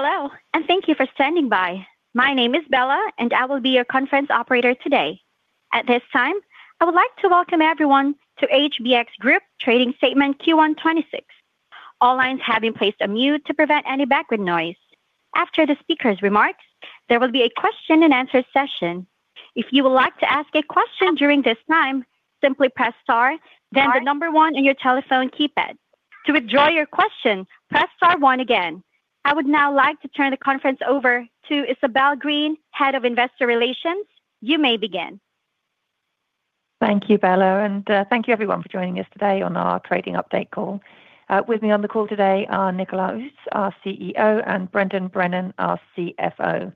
Hello, and thank you for standing by. My name is Bella, and I will be your conference operator today. At this time, I would like to welcome everyone to HBX Group trading statement Q1 2026. All lines have been placed on mute to prevent any background noise. After the speaker's remarks, there will be a question and answer session. If you would like to ask a question during this time, simply press star, then the number one on your telephone keypad. To withdraw your question, press star one again. I would now like to turn the conference over to Isabel Green, Head of Investor Relations. You may begin. Thank you, Bella, and thank you everyone for joining us today on our trading update call. With me on the call today are Nicolas Huss, our CEO, and Brendan Brennan, our CFO.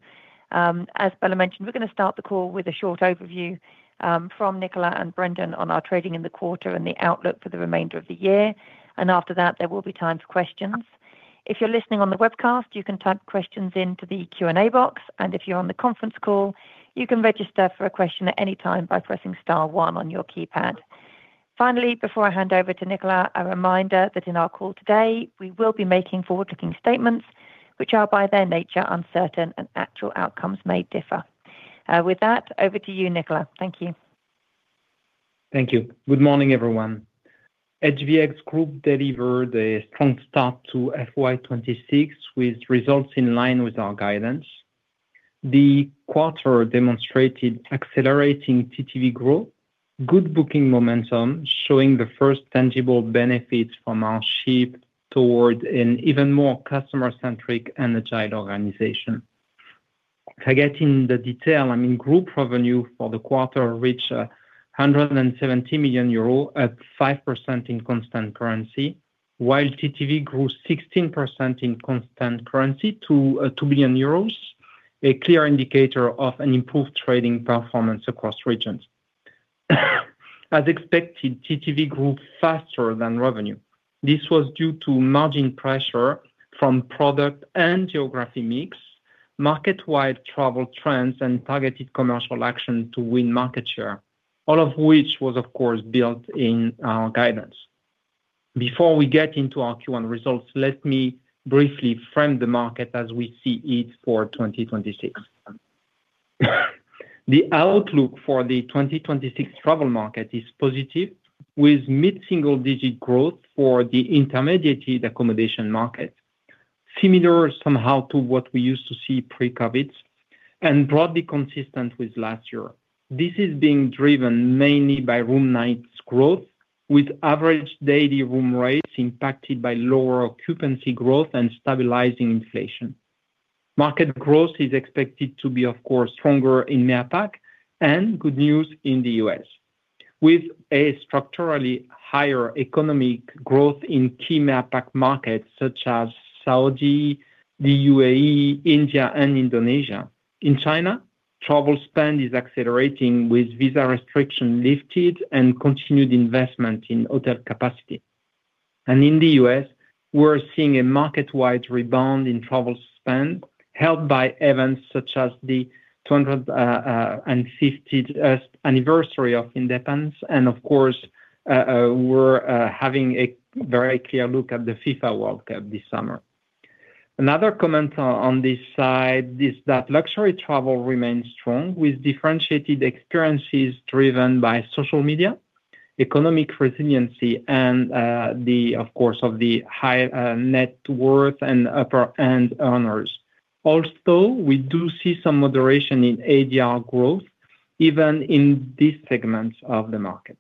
As Bella mentioned, we're going to start the call with a short overview from Nicolas and Brendan on our trading in the quarter and the outlook for the remainder of the year. And after that, there will be time for questions. If you're listening on the webcast, you can type questions into the Q&A box, and if you're on the conference call, you can register for a question at any time by pressing star one on your keypad. Finally, before I hand over to Nicolas, a reminder that in our call today, we will be making forward-looking statements which are, by their nature, uncertain, and actual outcomes may differ. With that, over to you, Nicolas. Thank you. Thank you. Good morning, everyone. HBX Group delivered a strong start to FY 2026, with results in line with our guidance. The quarter demonstrated accelerating TTV growth, good booking momentum, showing the first tangible benefits from our shift toward an even more customer-centric and agile organization. To get in the detail, I mean, group revenue for the quarter reached 170 million euro at 5% in constant currency, while TTV grew 16% in constant currency to 2 billion euros, a clear indicator of an improved trading performance across regions. As expected, TTV grew faster than revenue. This was due to margin pressure from product and geography mix, market-wide travel trends, and targeted commercial action to win market share, all of which was, of course, built in our guidance. Before we get into our Q1 results, let me briefly frame the market as we see it for 2026. The outlook for the 2026 travel market is positive, with mid-single-digit growth for the intermediate accommodation market. Similar somehow to what we used to see pre-COVID and broadly consistent with last year. This is being driven mainly by room nights growth, with average daily room rates impacted by lower occupancy growth and stabilizing inflation. Market growth is expected to be, of course, stronger in MEAPAC and good news in the U.S., with a structurally higher economic growth in key MEAPAC markets such as Saudi, the UAE, India, and Indonesia. In China, travel spend is accelerating with visa restrictions lifted and continued investment in hotel capacity. In the U.S., we're seeing a market-wide rebound in travel spend, helped by events such as the 250th anniversary of independence. And of course, we're having a very clear look at the FIFA World Cup this summer. Another comment on this side is that luxury travel remains strong, with differentiated experiences driven by social media, economic resiliency, and, of course, the high net worth and upper-end earners. Also, we do see some moderation in ADR growth, even in these segments of the market.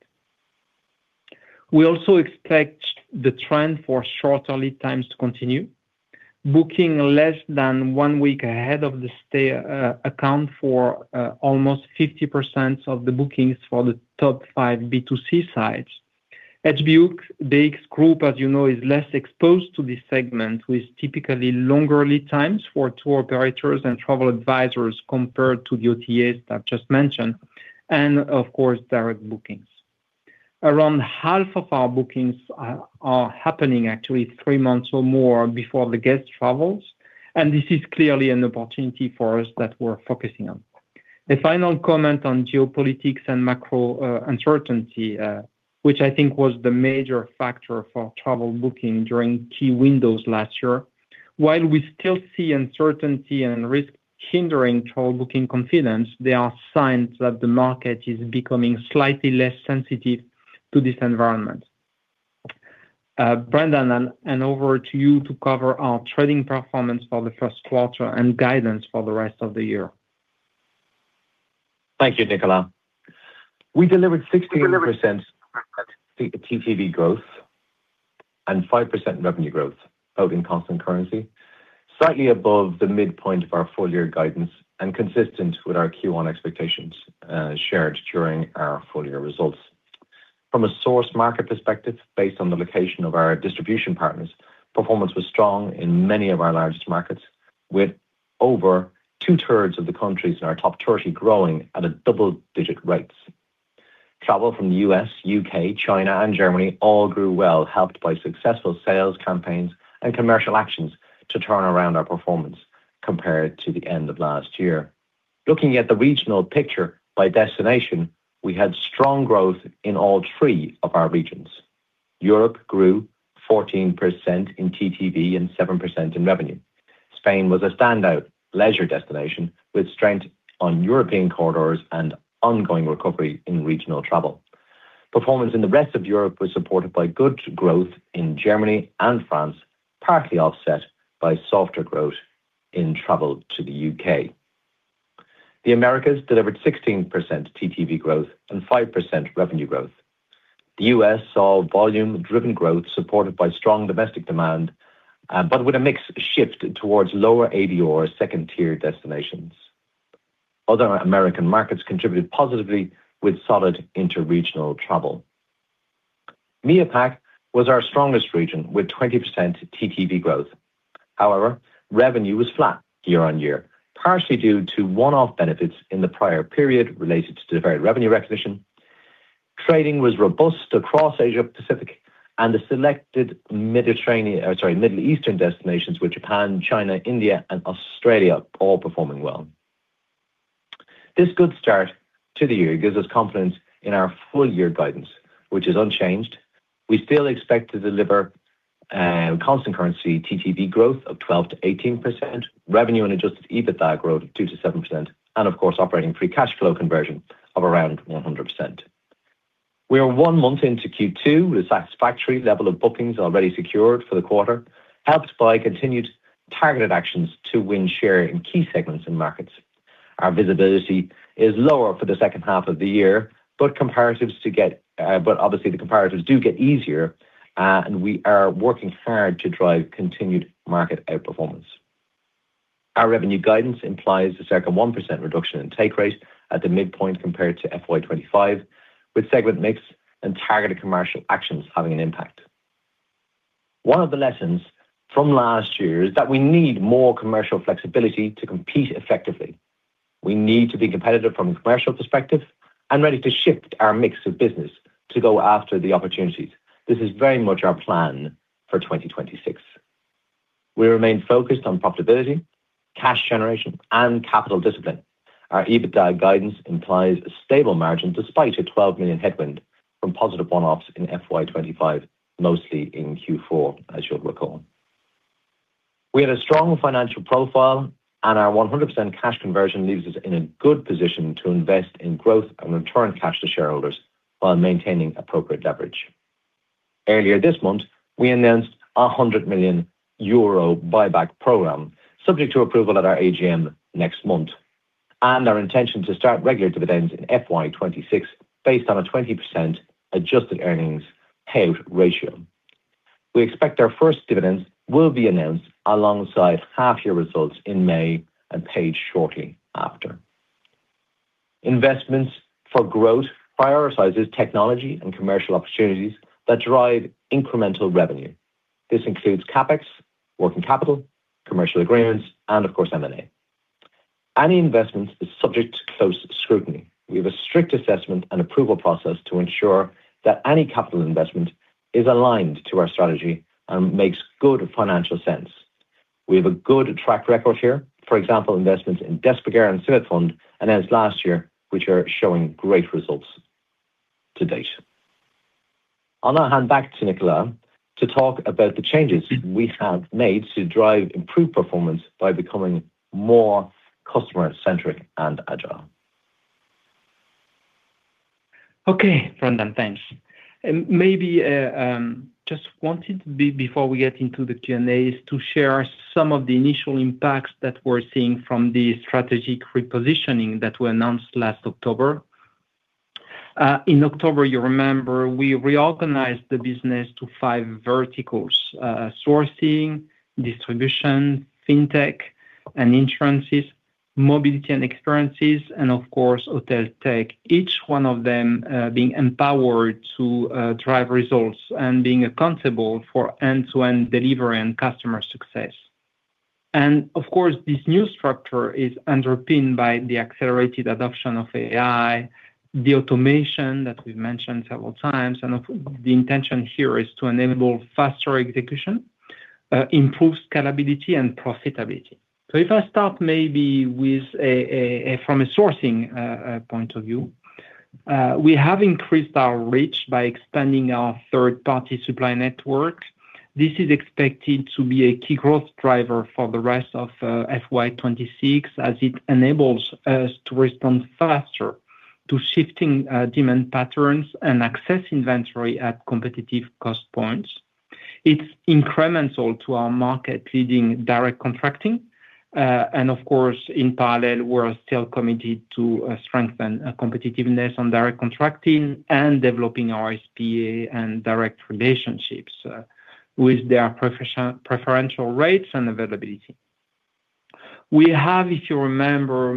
We also expect the trend for shorter lead times to continue. Bookings less than one week ahead of the stay account for almost 50% of the bookings for the top five B2C sites. HBX Group, as you know, is less exposed to this segment, with typically longer lead times for tour operators and travel advisors compared to the OTAs I've just mentioned, and of course, direct bookings. Around half of our bookings are, are happening actually three months or more before the guest travels, and this is clearly an opportunity for us that we're focusing on. The final comment on geopolitics and macro uncertainty, which I think was the major factor for travel booking during key windows last year. While we still see uncertainty and risk hindering travel booking confidence, there are signs that the market is becoming slightly less sensitive to this environment. Brendan, over to you to cover our trading performance for the first quarter and guidance for the rest of the year. Thank you, Nicolas. We delivered 16% TTV growth and 5% revenue growth in constant currency, slightly above the midpoint of our full-year guidance and consistent with our Q1 expectations, shared during our full-year results. From a source market perspective, based on the location of our distribution partners, performance was strong in many of our largest markets, with over two-thirds of the countries in our top 30 growing at a double-digit rates. Travel from the U.S., U.K., China, and Germany all grew well, helped by successful sales campaigns and commercial actions to turn around our performance compared to the end of last year. Looking at the regional picture by destination, we had strong growth in all three of our regions. Europe grew 14% in TTV and 7% in revenue. Spain was a standout leisure destination, with strength on European corridors and ongoing recovery in regional travel. Performance in the rest of Europe was supported by good growth in Germany and France, partly offset by softer growth in travel to the U.K. The Americas delivered 16% TTV growth and 5% revenue growth. The U.S. saw volume-driven growth supported by strong domestic demand, but with a mix shift towards lower ADR second-tier destinations. Other American markets contributed positively with solid interregional travel. MEAPAC was our strongest region, with 20% TTV growth. However, revenue was flat year-on-year, partially due to one-off benefits in the prior period related to deferred revenue recognition. Trading was robust across Asia Pacific and the selected Middle Eastern destinations, with Japan, China, India, and Australia all performing well. This good start to the year gives us confidence in our full year guidance, which is unchanged. We still expect to deliver constant currency TTV growth of 12%-18%, revenue and adjusted EBITDA growth of 2%-7%, and of course, operating free cash flow conversion of around 100%. We are one month into Q2 with a satisfactory level of bookings already secured for the quarter, helped by continued targeted actions to win share in key segments and markets. Our visibility is lower for the second half of the year, but the comparatives do get easier, and we are working hard to drive continued market outperformance. Our revenue guidance implies a circa 1% reduction in take rate at the midpoint compared to FY 2025, with segment mix and targeted commercial actions having an impact. One of the lessons from last year is that we need more commercial flexibility to compete effectively. We need to be competitive from a commercial perspective and ready to shift our mix of business to go after the opportunities. This is very much our plan for 2026. We remain focused on profitability, cash generation, and capital discipline. Our EBITDA guidance implies a stable margin, despite a 12 million headwind from positive one-offs in FY 2025, mostly in Q4, as you'll recall. We have a strong financial profile, and our 100% cash conversion leaves us in a good position to invest in growth and return cash to shareholders while maintaining appropriate leverage. Earlier this month, we announced 100 million euro buyback program, subject to approval at our AGM next month, and our intention to start regular dividends in FY 2026, based on a 20% adjusted earnings payout ratio. We expect our first dividends will be announced alongside half-year results in May and paid shortly after. Investments for growth prioritizes technology and commercial opportunities that drive incremental revenue. This includes CapEx, working capital, commercial agreements, and of course, M&A. Any investment is subject to close scrutiny. We have a strict assessment and approval process to ensure that any capital investment is aligned to our strategy and makes good financial sense. We have a good track record here. For example, investments in Despegar and Cino announced last year, which are showing great results to date. I'll now hand back to Nicolas to talk about the changes we have made to drive improved performance by becoming more customer-centric and agile. Okay, Brendan, thanks. And maybe, before we get into the Q&As, to share some of the initial impacts that we're seeing from the strategic repositioning that we announced last October. In October, you remember, we reorganized the business to five verticals: Sourcing, Distribution, Fintech and Insurances, Mobility and Experiences, and of course, Hotel Tech. Each one of them being empowered to drive results and being accountable for end-to-end delivery and customer success. And of course, this new structure is underpinned by the accelerated adoption of AI, the automation that we've mentioned several times, and the intention here is to enable faster execution, improve scalability and profitability. So if I start maybe from a Sourcing point of view, we have increased our reach by expanding our third-party supply network. This is expected to be a key growth driver for the rest of FY 2026, as it enables us to respond faster to shifting demand patterns and access inventory at competitive cost points. It's incremental to our market-leading direct contracting. And of course, in parallel, we're still committed to strengthen our competitiveness on direct contracting and developing our SPA and direct relationships with their preferential rates and availability. We have, if you remember,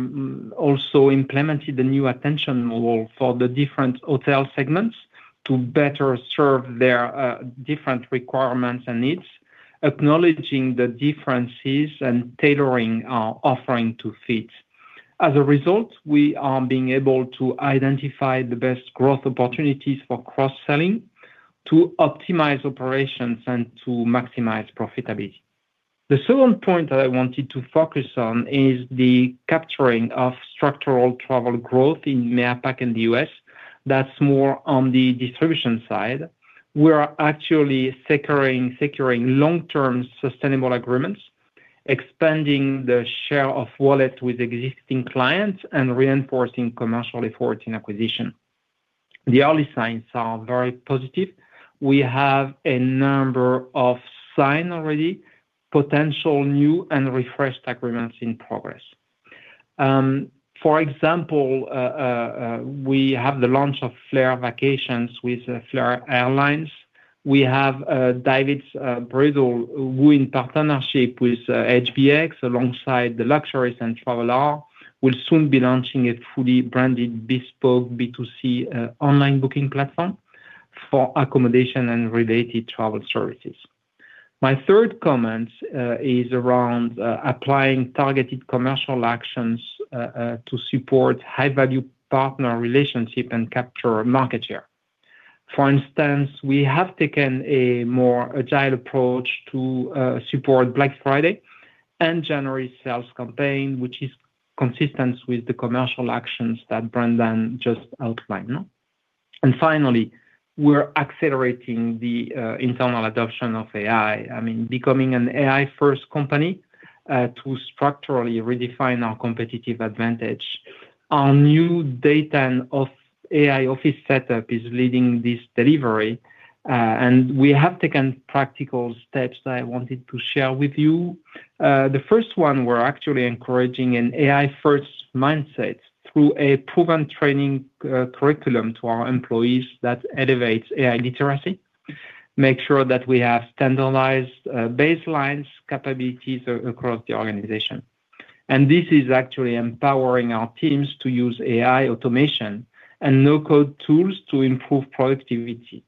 also implemented a new attention model for the different hotel segments to better serve their different requirements and needs, acknowledging the differences and tailoring our offering to fit. As a result, we are being able to identify the best growth opportunities for cross-selling, to optimize operations and to maximize profitability. The second point that I wanted to focus on is the capturing of structural travel growth in APAC and the U.S. That's more on the distribution side. We are actually securing long-term sustainable agreements, expanding the share of wallet with existing clients, and reinforcing commercial efforts in acquisition. The early signs are very positive. We have a number of signings already, potential new and refreshed agreements in progress. For example, we have the launch of Flair Vacations with Flair Airlines. We have David's Bridal, who in partnership with HBX, alongside the Luxury and Travel Hour, will soon be launching a fully branded bespoke B2C online booking platform for accommodation and related travel services. My third comment is around applying targeted commercial actions to support high-value partner relationship and capture market share. For instance, we have taken a more agile approach to support Black Friday and January sales campaign, which is consistent with the commercial actions that Brendan just outlined. And finally, we're accelerating the internal adoption of AI, I mean, becoming an AI-first company, to structurally redefine our competitive advantage. Our new data and AI office setup is leading this delivery, and we have taken practical steps that I wanted to share with you. The first one, we're actually encouraging an AI-first mindset through a proven training curriculum to our employees that elevates AI literacy, make sure that we have standardized baseline capabilities across the organization. And this is actually empowering our teams to use AI automation and no-code tools to improve productivity.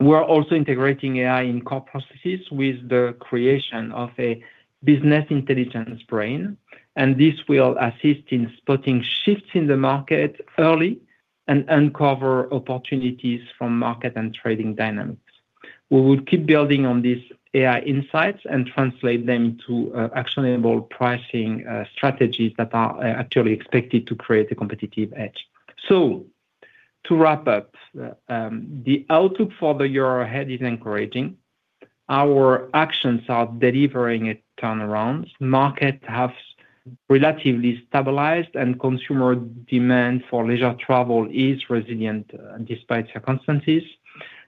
We are also integrating AI in core processes with the creation of a business intelligence brain, and this will assist in spotting shifts in the market early and uncover opportunities from market and trading dynamics. We will keep building on these AI insights and translate them to actionable pricing strategies that are actually expected to create a competitive edge. So to wrap up, the outlook for the year ahead is encouraging. Our actions are delivering a turnaround. Market has relatively stabilized, and consumer demand for leisure travel is resilient, despite circumstances.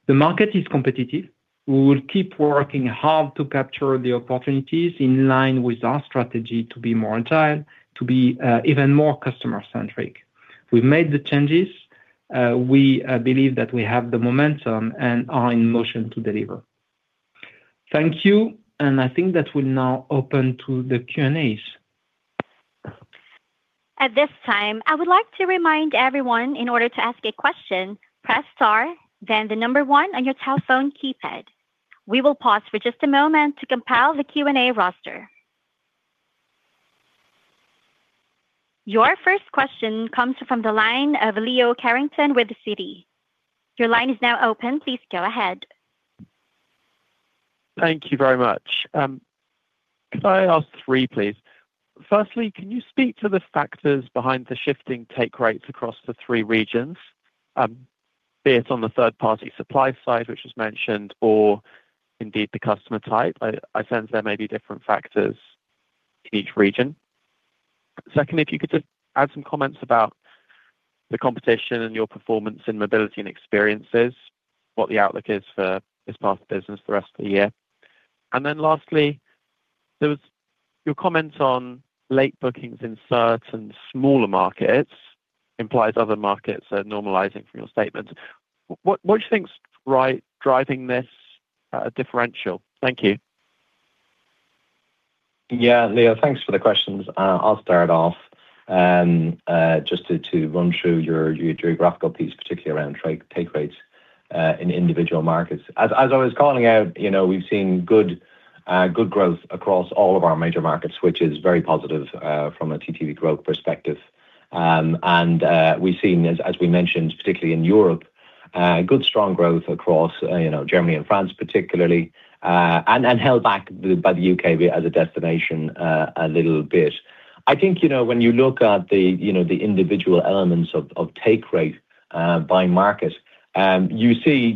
The market is competitive. We will keep working hard to capture the opportunities in line with our strategy to be more agile, to be even more customer-centric. We've made the changes. We believe that we have the momentum and are in motion to deliver. Thank you, and I think that will now open to the Q&As. At this time, I would like to remind everyone in order to ask a question, press star, then the number one on your telephone keypad. We will pause for just a moment to compile the Q&A roster. Your first question comes from the line of Leo Carrington with Citi. Your line is now open. Please go ahead. Thank you very much. Could I ask three, please? Firstly, can you speak to the factors behind the shifting take rates across the three regions, be it on the third-party supply side, which was mentioned, or indeed, the customer type? I sense there may be different factors in each region. Secondly, if you could just add some comments about the competition and your performance in Mobility and Experiences, what the outlook is for this part of the business for the rest of the year. And then lastly, your comments on late bookings in certain smaller markets implies other markets are normalizing from your statement. What do you think is driving this differential? Thank you. Yeah, Leo, thanks for the questions. I'll start off, just to run through your geographical piece, particularly around take rates in individual markets. As I was calling out, you know, we've seen good growth across all of our major markets, which is very positive from a TTV growth perspective. And we've seen, as we mentioned, particularly in Europe, good, strong growth across, you know, Germany and France particularly, and held back by the U.K. as a destination a little bit. I think, you know, when you look at the individual elements of take rate by market, you see.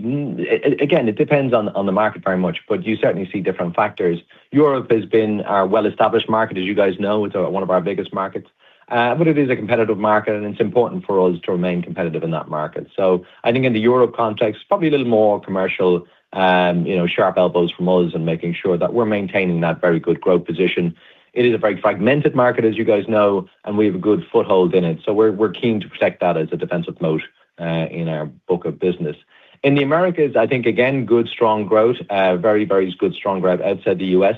Again, it depends on the market very much, but you certainly see different factors. Europe has been our well-established market. As you guys know, it's one of our biggest markets, but it is a competitive market, and it's important for us to remain competitive in that market. So I think in the Europe context, probably a little more commercial, you know, sharp elbows from us and making sure that we're maintaining that very good growth position. It is a very fragmented market, as you guys know, and we have a good foothold in it, so we're, we're keen to protect that as a defensive moat, in our book of business. In the Americas, I think, again, good, strong growth. Very, very good, strong growth outside the U.S.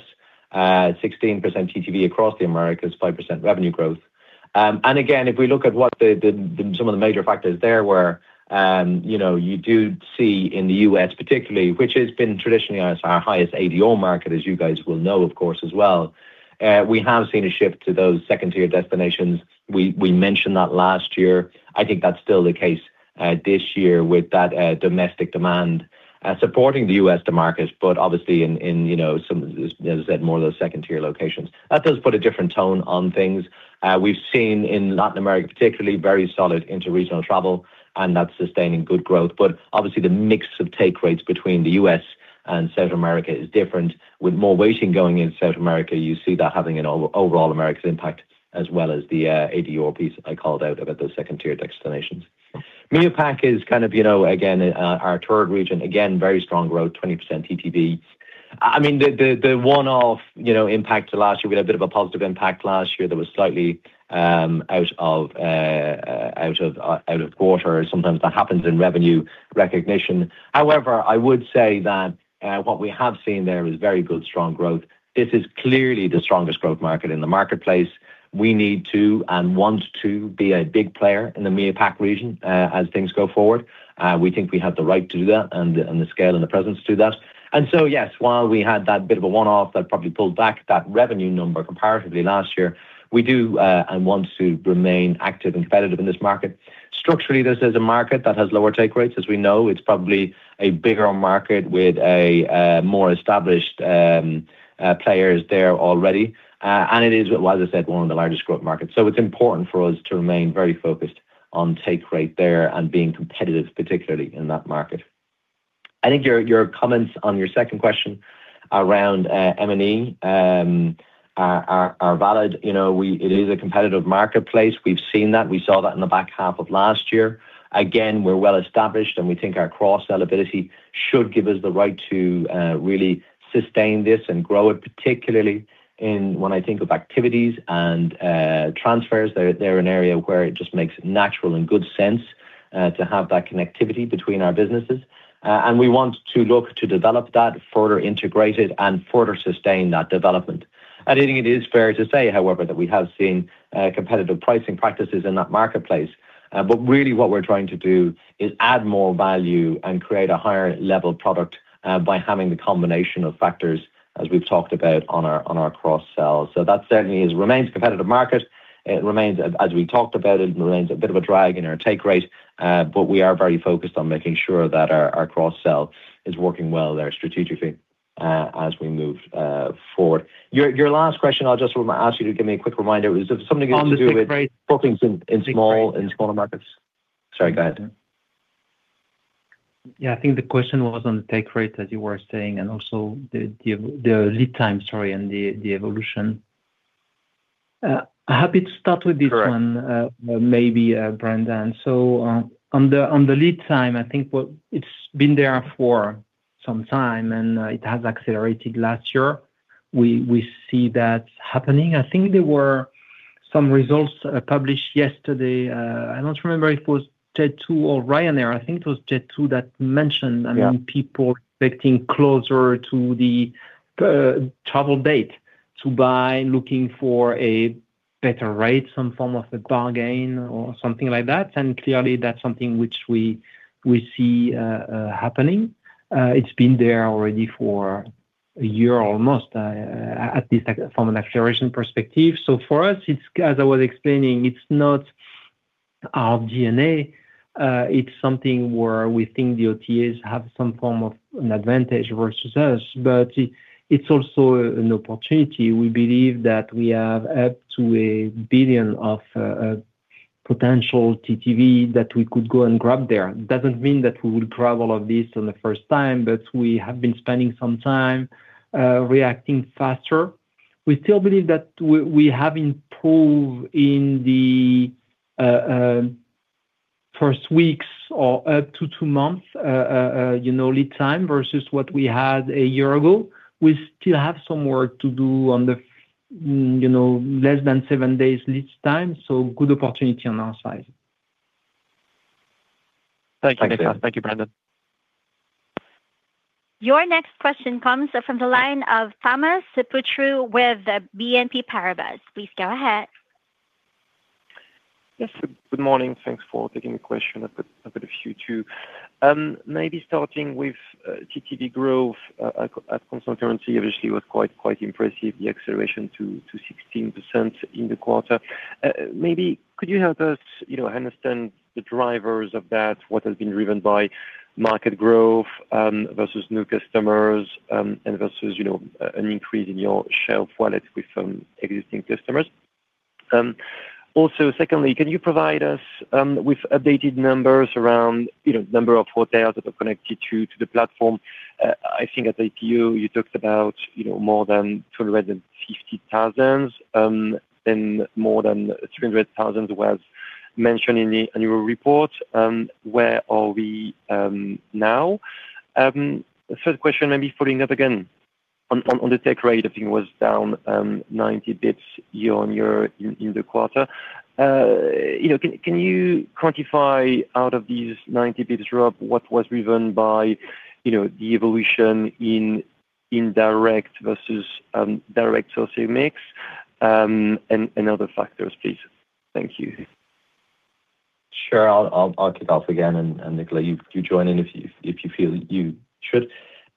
16% TTV across the Americas, 5% revenue growth. Again, if we look at what some of the major factors there were, you know, you do see in the US, particularly, which has been traditionally our highest ADR market, as you guys will know, of course, as well, we have seen a shift to those second-tier destinations. We mentioned that last year. I think that's still the case, this year with that domestic demand supporting the US market, but obviously in, you know, some, as I said, more of those second-tier locations. That does put a different tone on things. We've seen in Latin America, particularly, very solid interregional travel, and that's sustaining good growth. But obviously the mix of take rates between the U.S. and South America is different, with more weighting going in South America, you see that having an overall Americas impact, as well as the ADR piece I called out about those second tier destinations. APAC is kind of, you know, again, our third region, again, very strong growth, 20% TTV. I mean, the one-off, you know, impact to last year, we had a bit of a positive impact last year that was slightly out of quarter. Sometimes that happens in revenue recognition. However, I would say that what we have seen there is very good, strong growth. This is clearly the strongest growth market in the marketplace. We need to and want to be a big player in the APAC region, as things go forward. We think we have the right to do that and the scale and the presence to do that. And so, yes, while we had that bit of a one-off that probably pulled back that revenue number comparatively last year, we do and want to remain active and competitive in this market. Structurally, this is a market that has lower take rates, as we know. It's probably a bigger market with a more established players there already. And it is, well, as I said, one of the largest growth markets. So it's important for us to remain very focused on take rate there and being competitive, particularly in that market. I think your comments on your second question around M&E are valid. You know, we, it is a competitive marketplace. We've seen that. We saw that in the back half of last year. Again, we're well established, and we think our cross-sell ability should give us the right to really sustain this and grow it, particularly in when I think of activities and transfers. They're an area where it just makes natural and good sense to have that connectivity between our businesses. And we want to look to develop that, further integrate it, and further sustain that development. I think it is fair to say, however, that we have seen competitive pricing practices in that marketplace. But really what we're trying to do is add more value and create a higher level product by having the combination of factors, as we've talked about on our cross-sell. So that certainly is. remains a competitive market. It remains, as we talked about it, it remains a bit of a drag in our take rate, but we are very focused on making sure that our cross-sell is working well there strategically, as we move forward. Your last question, I'll just ask you to give me a quick reminder. Was it something to do with- On the take rate. Bookings in smaller markets. Sorry, go ahead. Yeah, I think the question was on the take rate, as you were saying, and also the lead time, sorry, and the evolution. Happy to start with this one- Sure. Maybe, Brendan. So, on the lead time, I think what it's been there for some time, and it has accelerated last year. We see that happening. I think there were some results published yesterday. I don't remember if it was Jet2 or Ryanair. I think it was Jet2 that mentioned- Yeah I mean, people getting closer to the travel date to buy, looking for a better rate, some form of a bargain or something like that. And clearly that's something which we see happening. It's been there already for a year or almost, at least from an acceleration perspective. So for us, it's... as I was explaining, it's not our D&A, it's something where we think the OTAs have some form of an advantage versus us, but it's also an opportunity. We believe that we have up to 1 billion of potential TTV that we could go and grab there. It doesn't mean that we will grab all of this on the first time, but we have been spending some time reacting faster. We still believe that we have improved in the first weeks or up to two months, you know, lead time versus what we had a year ago. We still have some work to do on the, you know, less than seven days lead time, so good opportunity on our side. Thank you. Thank you, Brendan. Your next question comes from the line of Thomas Poutrieux with BNP Paribas. Please go ahead. Yes, good morning. Thanks for taking the question. I've got a few, too. Maybe starting with TTV growth at constant currency, obviously, was quite impressive, the acceleration to 16% in the quarter. Maybe could you help us, you know, understand the drivers of that, what has been driven by market growth versus new customers and versus, you know, an increase in your share of wallet with existing customers? Also, secondly, can you provide us with updated numbers around, you know, number of hotels that are connected to the platform? I think at APU, you talked about, you know, more than 250,000 and more than 300,000 was mentioned in the annual report. Where are we now? Third question, maybe following up again on, on, on the take rate, I think was down 90 basis points year-on-year in, in the quarter. You know, can, can you quantify out of these 90 basis points drop, what was driven by, you know, the evolution in, in direct versus, direct source of mix, and, and other factors, please? Thank you. Sure. I'll kick off again, and Nicolas, you join in if you feel you should.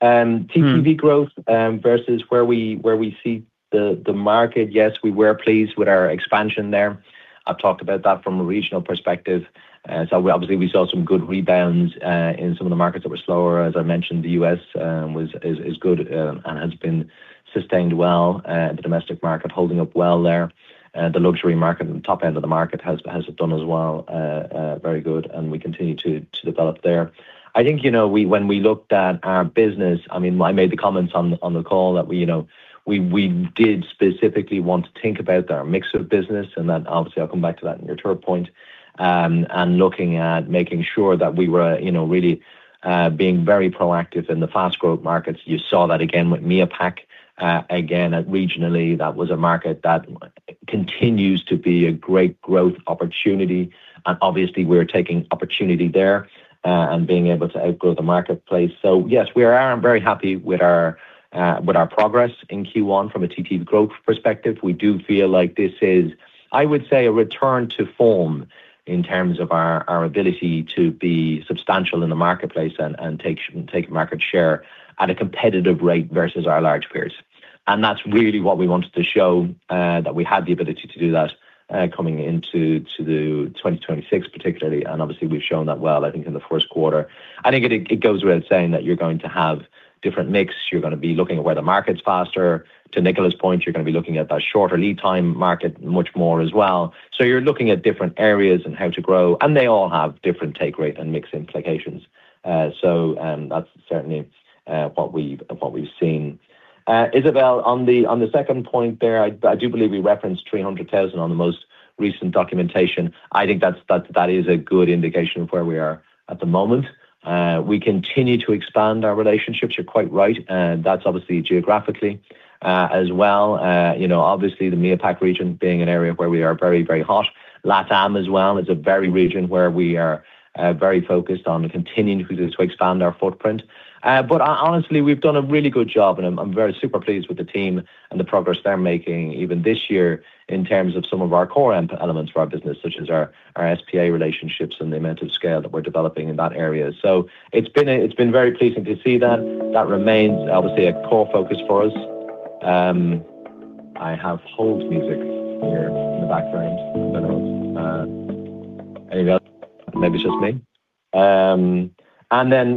TTV growth versus where we see the market, yes, we were pleased with our expansion there. I've talked about that from a regional perspective. So obviously we saw some good rebounds in some of the markets that were slower. As I mentioned, the U.S. was, is good, and has been sustained well, the domestic market holding up well there. The luxury market, on the top end of the market, has done as well, very good, and we continue to develop there. I think, you know, we when we looked at our business, I mean, I made the comments on the call that we, you know, we did specifically want to think about our mix of business and then obviously I'll come back to that in your third point. Looking at making sure that we were, you know, really being very proactive in the fast growth markets. You saw that again with MEAPAC. Again, regionally, that was a market that continues to be a great growth opportunity, and obviously we're taking opportunity there and being able to outgrow the marketplace. So yes, we are very happy with our progress in Q1 from a TPV growth perspective. We do feel like this is, I would say, a return to form in terms of our ability to be substantial in the marketplace and take market share at a competitive rate versus our large peers. And that's really what we wanted to show that we had the ability to do that coming into the 2026 particularly, and obviously, we've shown that well, I think, in the first quarter. I think it goes without saying that you're going to have different mix. You're gonna be looking at where the market's faster. To Nicolas' point, you're gonna be looking at that shorter lead time market much more as well. So you're looking at different areas and how to grow, and they all have different take rate and mix implications. So that's certainly what we've seen. Isabel, on the, on the second point there, I, I do believe we referenced 300,000 on the most recent documentation. I think that's, that is a good indication of where we are at the moment. We continue to expand our relationships, you're quite right, and that's obviously geographically, as well. You know, obviously, the MEAPAC region being an area where we are very, very hot. LatAm as well, is a very region where we are, very focused on continuing to expand our footprint. But honestly, we've done a really good job, and I'm, I'm very super pleased with the team and the progress they're making even this year in terms of some of our core elements of our business, such as our, our SPA relationships and the amount of scale that we're developing in that area. So it's been very pleasing to see that. That remains obviously a core focus for us. I have hold music here in the background. I don't know any of that. Maybe it's just me. And then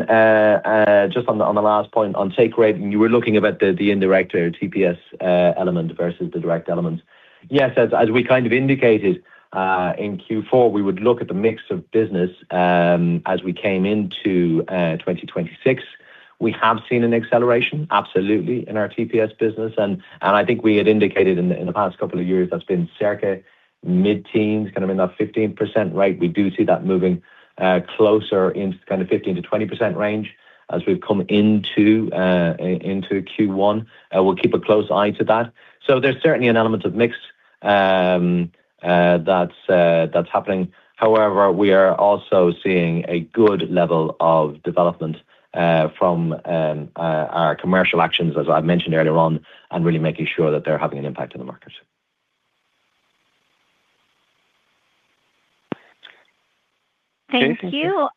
just on the last point on take rate, and you were looking about the indirect or TPS element versus the direct element. Yes, as we kind of indicated in Q4, we would look at the mix of business as we came into 2026. We have seen an acceleration, absolutely, in our TPS business, and I think we had indicated in the past couple of years, that's been circa mid-teens, kind of in that 15% rate. We do see that moving closer in kind of 15%-20% range as we've come into Q1. We'll keep a close eye to that. So there's certainly an element of mix that's happening. However, we are also seeing a good level of development from our commercial actions, as I mentioned earlier on, and really making sure that they're having an impact on the market. Thank you.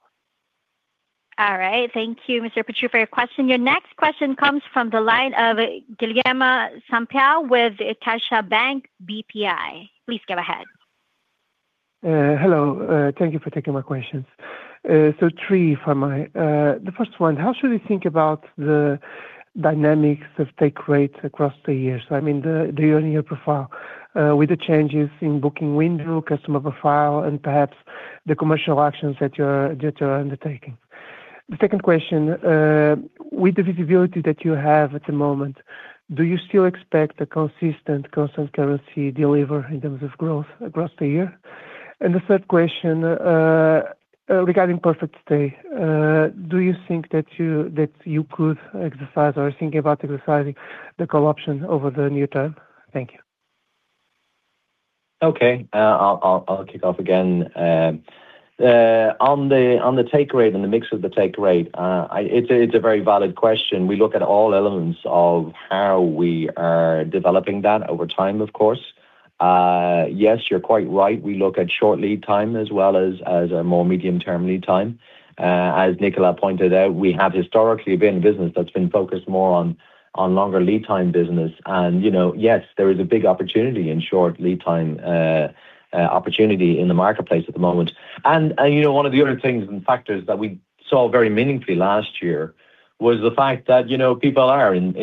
All right. Thank you, Mr. Poutrieux, for your question. Your next question comes from the line of Guilherme Sampaio with CaixaBank BPI. Please go ahead. Hello, thank you for taking my questions. So three for my... The first one, how should we think about the dynamics of take rates across the years? I mean, the earlier profile, with the changes in booking window, customer profile, and perhaps the commercial actions that you're undertaking. The second question, with the visibility that you have at the moment, do you still expect a consistent constant currency deliver in terms of growth across the year? And the third question, regarding PerfectStay, do you think that you could exercise or are thinking about exercising the call option over the near term? Thank you. Okay, I'll kick off again. On the take rate and the mix of the take rate, it's a very valid question. We look at all elements of how we are developing that over time, of course. Yes, you're quite right. We look at short lead time as well as a more medium-term lead time. As Nicolas pointed out, we have historically been a business that's been focused more on longer lead time business. And, you know, yes, there is a big opportunity in short lead time opportunity in the marketplace at the moment. And, you know, one of the other things and factors that we saw very meaningfully last year was the fact that, you know, people are in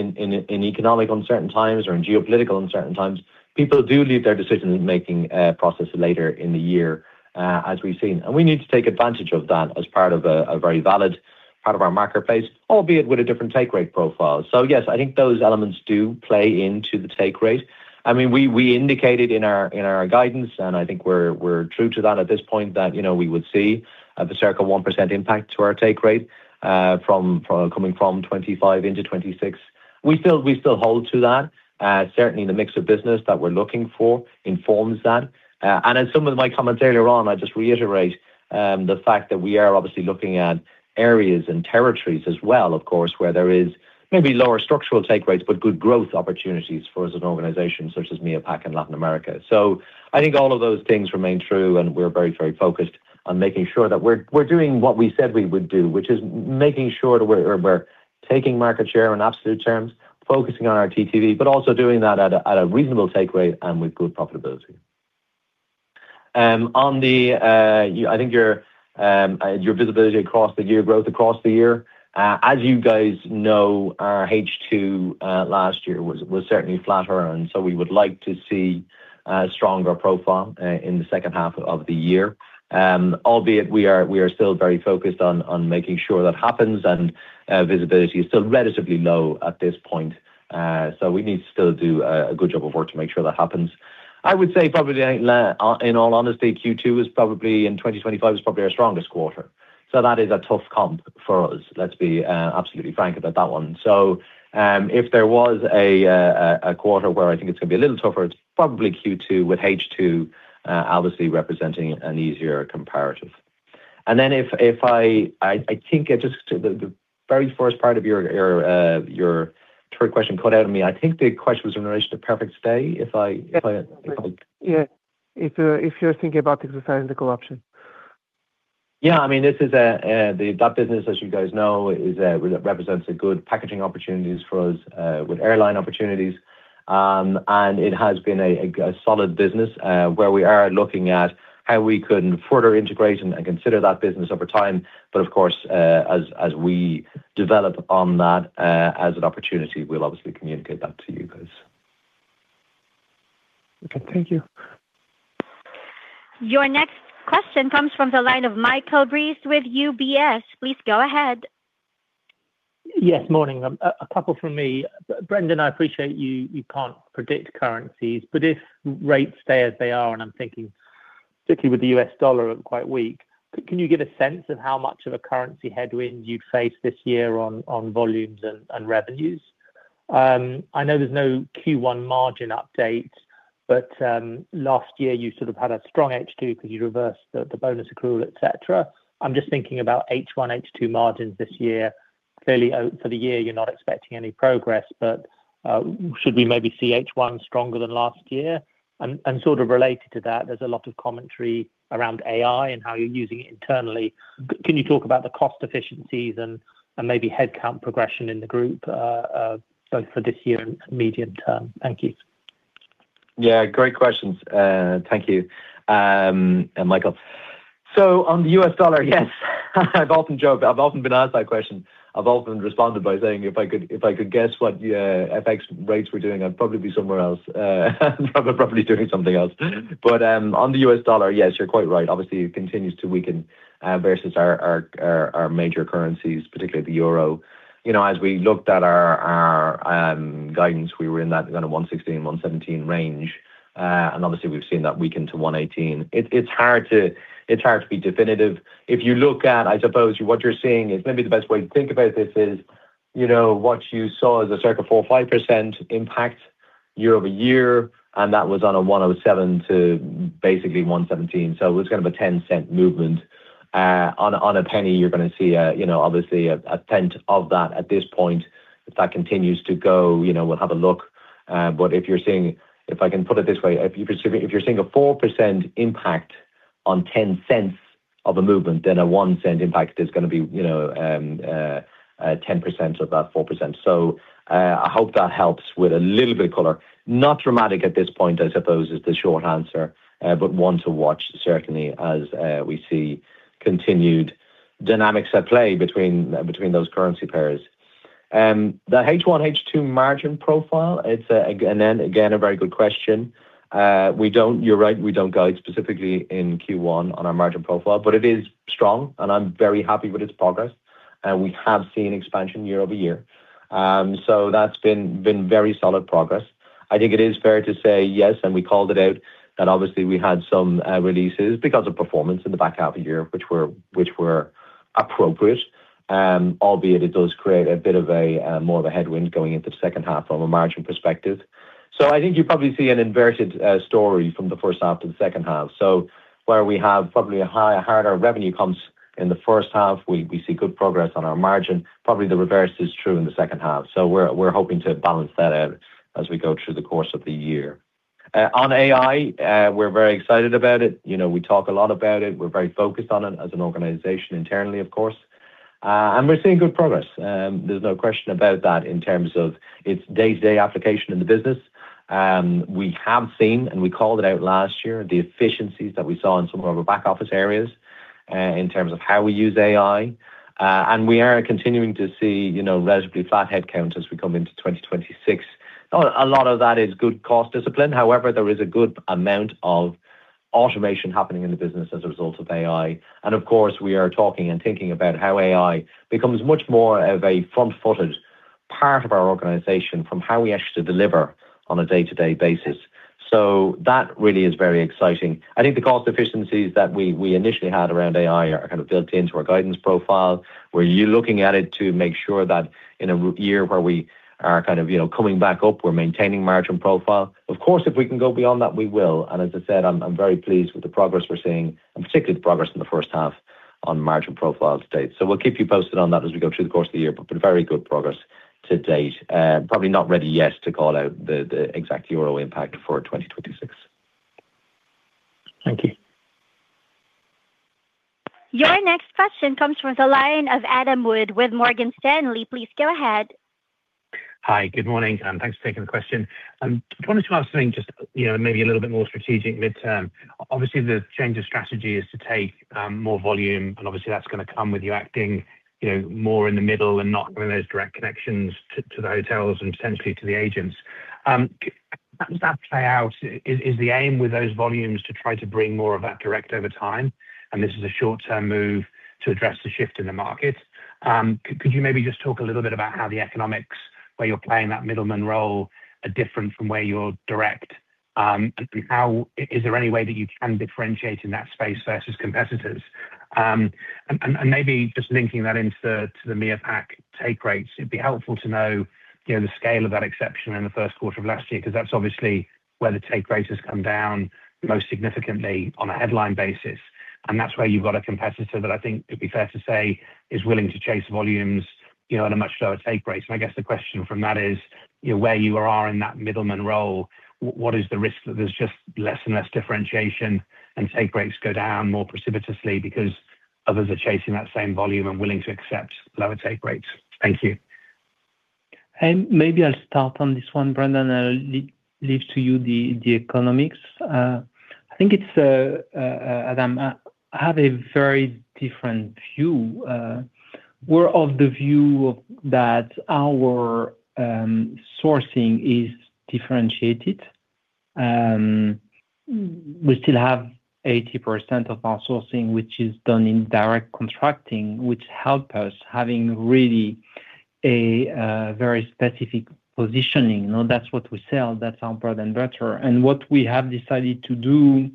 economic uncertain times or in geopolitical uncertain times. People do leave their decision-making process later in the year, as we've seen, and we need to take advantage of that as part of a very valid part of our marketplace, albeit with a different take rate profile. So yes, I think those elements do play into the take rate. I mean, we indicated in our guidance, and I think we're true to that at this point, that, you know, we would see the circa 1% impact to our take rate from coming from 2025 into 2026. We still hold to that. Certainly, the mix of business that we're looking for informs that. And in some of my comments earlier on, I just reiterate the fact that we are obviously looking at areas and territories as well, of course, where there is maybe lower structural take rates, but good growth opportunities for us as an organization such as MEAPAC and Latin America. So I think all of those things remain true, and we're very, very focused on making sure that we're doing what we said we would do, which is making sure that we're taking market share in absolute terms, focusing on our TTV, but also doing that at a reasonable take rate and with good profitability. On the, I think your visibility across the year, growth across the year, as you guys know, our H2 last year was certainly flatter. And so we would like to see a stronger profile in the second half of the year. Albeit we are still very focused on making sure that happens and visibility is still relatively low at this point. So we need to still do a good job of work to make sure that happens. I would say probably, in all honesty, Q2 is probably in 2025 our strongest quarter. So that is a tough comp for us. Let's be absolutely frank about that one. So if there was a quarter where I think it's gonna be a little tougher, it's probably Q2, with H2 obviously representing an easier comparative. And then if I. I think just the very first part of your third question cut out on me. I think the question was in relation to PerfectStay. Yeah. If you're thinking about exercising the call option. Yeah, I mean, this is that business, as you guys know, is represents a good packaging opportunities for us with airline opportunities. And it has been a solid business where we are looking at how we can further integrate and consider that business over time. But of course, as we develop on that as an opportunity, we'll obviously communicate that to you guys. Okay. Thank you. Your next question comes from the line of Michael Briest with UBS. Please go ahead. Yes, morning. A couple from me. Brendan, I appreciate you can't predict currencies, but if rates stay as they are, and I'm thinking particularly with the US dollar, quite weak, can you give a sense of how much of a currency headwind you face this year on volumes and revenues? I know there's no Q1 margin update, but last year you sort of had a strong H2 because you reversed the bonus accrual, et cetera. I'm just thinking about H1, H2 margins this year. Clearly, for the year, you're not expecting any progress, but should we maybe see H1 stronger than last year? And sort of related to that, there's a lot of commentary around AI and how you're using it internally. Can you talk about the cost efficiencies and maybe headcount progression in the group, both for this year and medium term? Thank you. Yeah, great questions. Thank you, Michael. So on the US dollar, yes, I've often joked. I've often been asked that question. I've often responded by saying, "If I could, if I could guess what FX rates were doing, I'd probably be somewhere else, probably doing something else." But on the US dollar, yes, you're quite right. Obviously, it continues to weaken versus our major currencies, particularly the euro. You know, as we looked at our guidance, we were in that kind of 1.16, 1.17 range, and obviously, we've seen that weaken to 1.18. It's hard to be definitive. If you look at. I suppose what you're seeing is maybe the best way to think about this is, you know, what you saw as a circa 4%-5% impact year-over-year, and that was on a 1.07 to basically 1.17, so it was kind of a 0.10 movement. On a penny, you're gonna see a, you know, obviously a tenth of that at this point. If that continues to go, you know, we'll have a look, but if you're seeing—if I can put it this way, if you're seeing a 4% impact on 0.10 of a movement, then a 0.01 impact is gonna be, you know, 10% of that 4%. So, I hope that helps with a little bit of color. Not dramatic at this point, I suppose, is the short answer, but one to watch certainly as we see continued dynamics at play between those currency pairs. The H1, H2 margin profile, and then, again, a very good question. We don't—you're right, we don't guide specifically in Q1 on our margin profile, but it is strong, and I'm very happy with its progress. We have seen expansion year-over-year. So that's been very solid progress. I think it is fair to say yes, and we called it out, that obviously we had some releases because of performance in the back half of the year, which were appropriate. Albeit it does create a bit of a more of a headwind going into the second half from a margin perspective. So I think you probably see an inverted story from the first half to the second half. So where we have probably a high, harder revenue comps in the first half, we see good progress on our margin. Probably the reverse is true in the second half, so we're hoping to balance that out as we go through the course of the year. On AI, we're very excited about it. You know, we talk a lot about it. We're very focused on it as an organization internally, of course. And we're seeing good progress, there's no question about that in terms of its day-to-day application in the business. We have seen, and we called it out last year, the efficiencies that we saw in some of our back office areas, in terms of how we use AI, and we are continuing to see, you know, relatively flat headcount as we come into 2026. So a lot of that is good cost discipline. However, there is a good amount of automation happening in the business as a result of AI. And of course, we are talking and thinking about how AI becomes much more of a front-footed part of our organization from how we actually deliver on a day-to-day basis. So that really is very exciting. I think the cost efficiencies that we, we initially had around AI are kind of built into our guidance profile. We're looking at it to make sure that in a recovery year where we are kind of, you know, coming back up, we're maintaining margin profile. Of course, if we can go beyond that, we will, and as I said, I'm very pleased with the progress we're seeing and particularly the progress in the first half on margin profile to date. So we'll keep you posted on that as we go through the course of the year, but very good progress to date. Probably not ready yet to call out the exact EUR impact for 2026. Thank you. Your next question comes from the line of Adam Wood with Morgan Stanley. Please go ahead. Hi, good morning, and thanks for taking the question. I wanted to ask something just, you know, maybe a little bit more strategic midterm. Obviously, the change of strategy is to take more volume, and obviously, that's gonna come with you acting, you know, more in the middle and not one of those direct connections to the hotels and potentially to the agents. How does that play out? Is the aim with those volumes to try to bring more of that direct over time, and this is a short-term move to address the shift in the market? Could you maybe just talk a little bit about how the economics, where you're playing that middleman role, are different from where you're direct, and how is there any way that you can differentiate in that space versus competitors? And maybe just linking that into the, to the MEAPAC take rates, it'd be helpful to know, you know, the scale of that exception in the first quarter of last year, 'cause that's obviously where the take rates has come down most significantly on a headline basis. And that's where you've got a competitor that I think it'd be fair to say, is willing to chase volumes, you know, at a much lower take rate. And I guess the question from that is, you know, where you are in that middleman role, what is the risk that there's just less and less differentiation and take rates go down more precipitously because others are chasing that same volume and willing to accept lower take rates? Thank you. Maybe I'll start on this one, Brendan. I'll leave to you the economics. I think it's Adam, I have a very different view. We're of the view that our sourcing is differentiated. We still have 80% of our sourcing, which is done in direct contracting, which help us having really a very specific positioning. You know, that's what we sell, that's our bread and butter. And what we have decided to do,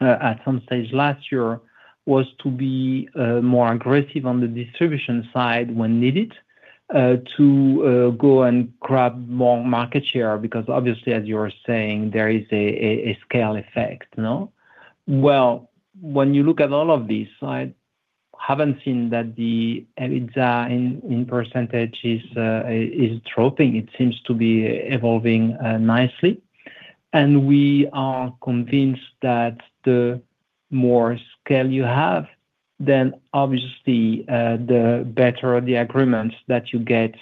at some stage last year, was to be more aggressive on the distribution side when needed, to go and grab more market share, because obviously, as you're saying, there is a scale effect, no? Well, when you look at all of these, I haven't seen that the EBITDA in percentage is dropping. It seems to be evolving nicely. And we are convinced that the more scale you have, then obviously the better the agreements that you get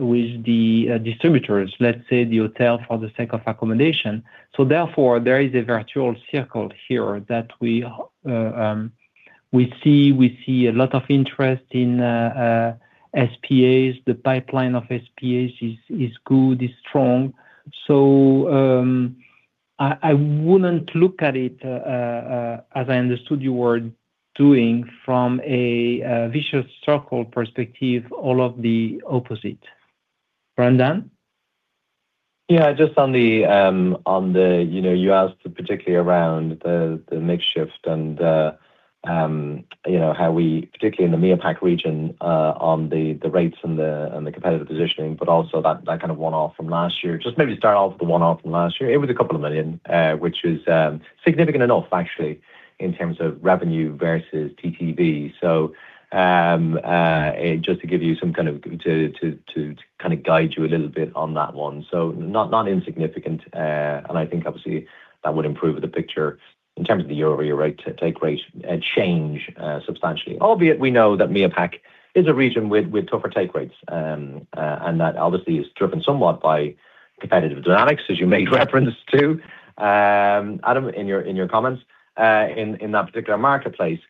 with the distributors, let's say, the hotel for the sake of accommodation. So therefore, there is a virtuous circle here that we see. We see a lot of interest in SPAs. The pipeline of SPAs is good, is strong. So I wouldn't look at it as I understood you were doing from a vicious circle perspective, all of the opposite. Brendan? Yeah, just on the, on the, you know, you asked particularly around the, the mix shift and, you know, how we, particularly in the MEAPAC region, on the, the rates and the, and the competitive positioning, but also that, that kind of one-off from last year. Just maybe start off with the one-off from last year. It was 2 million, which is, significant enough, actually, in terms of revenue versus TTV. So, just to give you some kind of, to kind of guide you a little bit on that one. So not, not insignificant, and I think obviously that would improve the picture in terms of the year-over-year rate, take rate, change, substantially. Albeit, we know that MEAPAC is a region with, with tougher take rates. And that obviously is driven somewhat by competitive dynamics, as you made reference to, Adam, in your, in your comments, in, in that particular marketplace.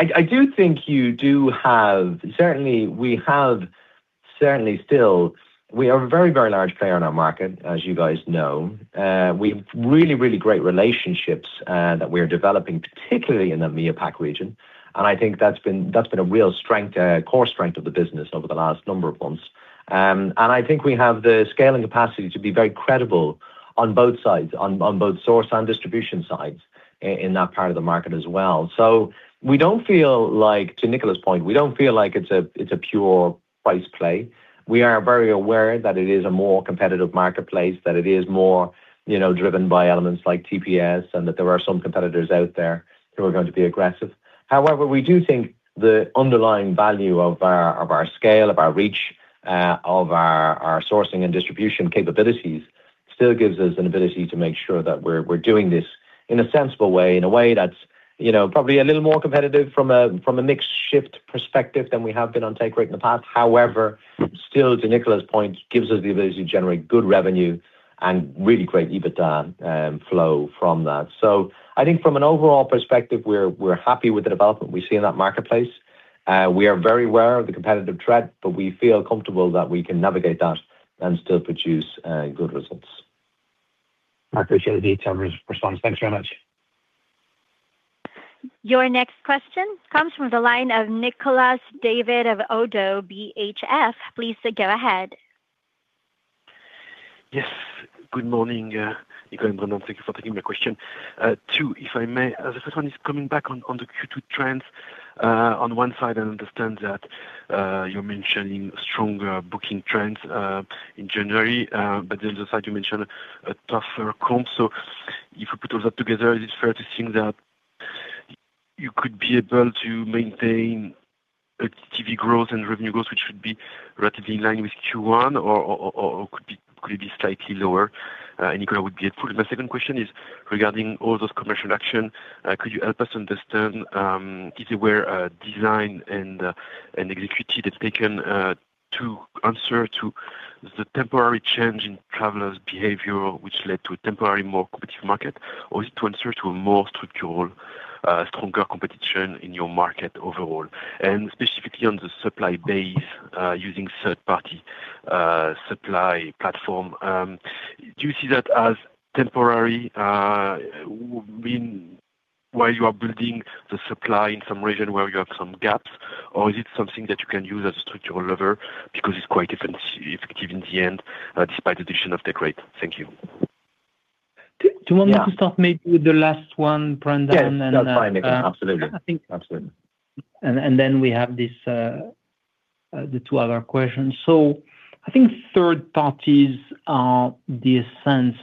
I do think you do have certainly we have, certainly still, we are a very, very large player in our market, as you guys know. We've really, really great relationships that we're developing, particularly in the MEAPAC region, and I think that's been, that's been a real strength, core strength of the business over the last number of months. And I think we have the scaling capacity to be very credible on both sides, on, on both source and distribution sides in that part of the market as well. So we don't feel like, to Nicolas' point, we don't feel like it's a, it's a pure price play. We are very aware that it is a more competitive marketplace, that it is more, you know, driven by elements like TPS, and that there are some competitors out there who are going to be aggressive. However, we do think the underlying value of our, of our scale, of our reach, of our, our sourcing and distribution capabilities, still gives us an ability to make sure that we're, we're doing this in a sensible way, in a way that's, you know, probably a little more competitive from a, from a mix shift perspective than we have been on take rate in the past. However, still, to Nicolas' point, gives us the ability to generate good revenue and really great EBITDA flow from that. So I think from an overall perspective, we're, we're happy with the development we see in that marketplace. We are very aware of the competitive threat, but we feel comfortable that we can navigate that and still produce good results. I appreciate the detailed re-response. Thanks very much. Your next question comes from the line of Nicolas David of ODDO BHF. Please go ahead. Yes. Good morning, Nicolas, thank you for taking my question. Two, if I may. The first one is coming back on the Q2 trends. On one side, I understand that you're mentioning stronger booking trends in January, but the other side, you mentioned a tougher comp. So if you put all that together, is it fair to think that you could be able to maintain TTV growth and revenue growth, which should be relatively in line with Q1 or could be slightly lower. And Nicolas would be able to—My second question is regarding all those commercial action. Could you help us understand, is it where design and executed is taken to answer to the temporary change in travelers' behavior, which led to a temporary more competitive market, or is it to answer to a more structural stronger competition in your market overall? And specifically on the supply base, using third-party supply platform, do you see that as temporary, while you are building the supply in some region where you have some gaps, or is it something that you can use as a structural lever? Because it's quite different if, if given the end, despite the addition of the rate. Thank you. Do you want me to start maybe with the last one, Brendan, and? Yes, that's fine, Nicolas. Absolutely. I think- Absolutely. Then we have this, the two other questions. So I think third parties are the essence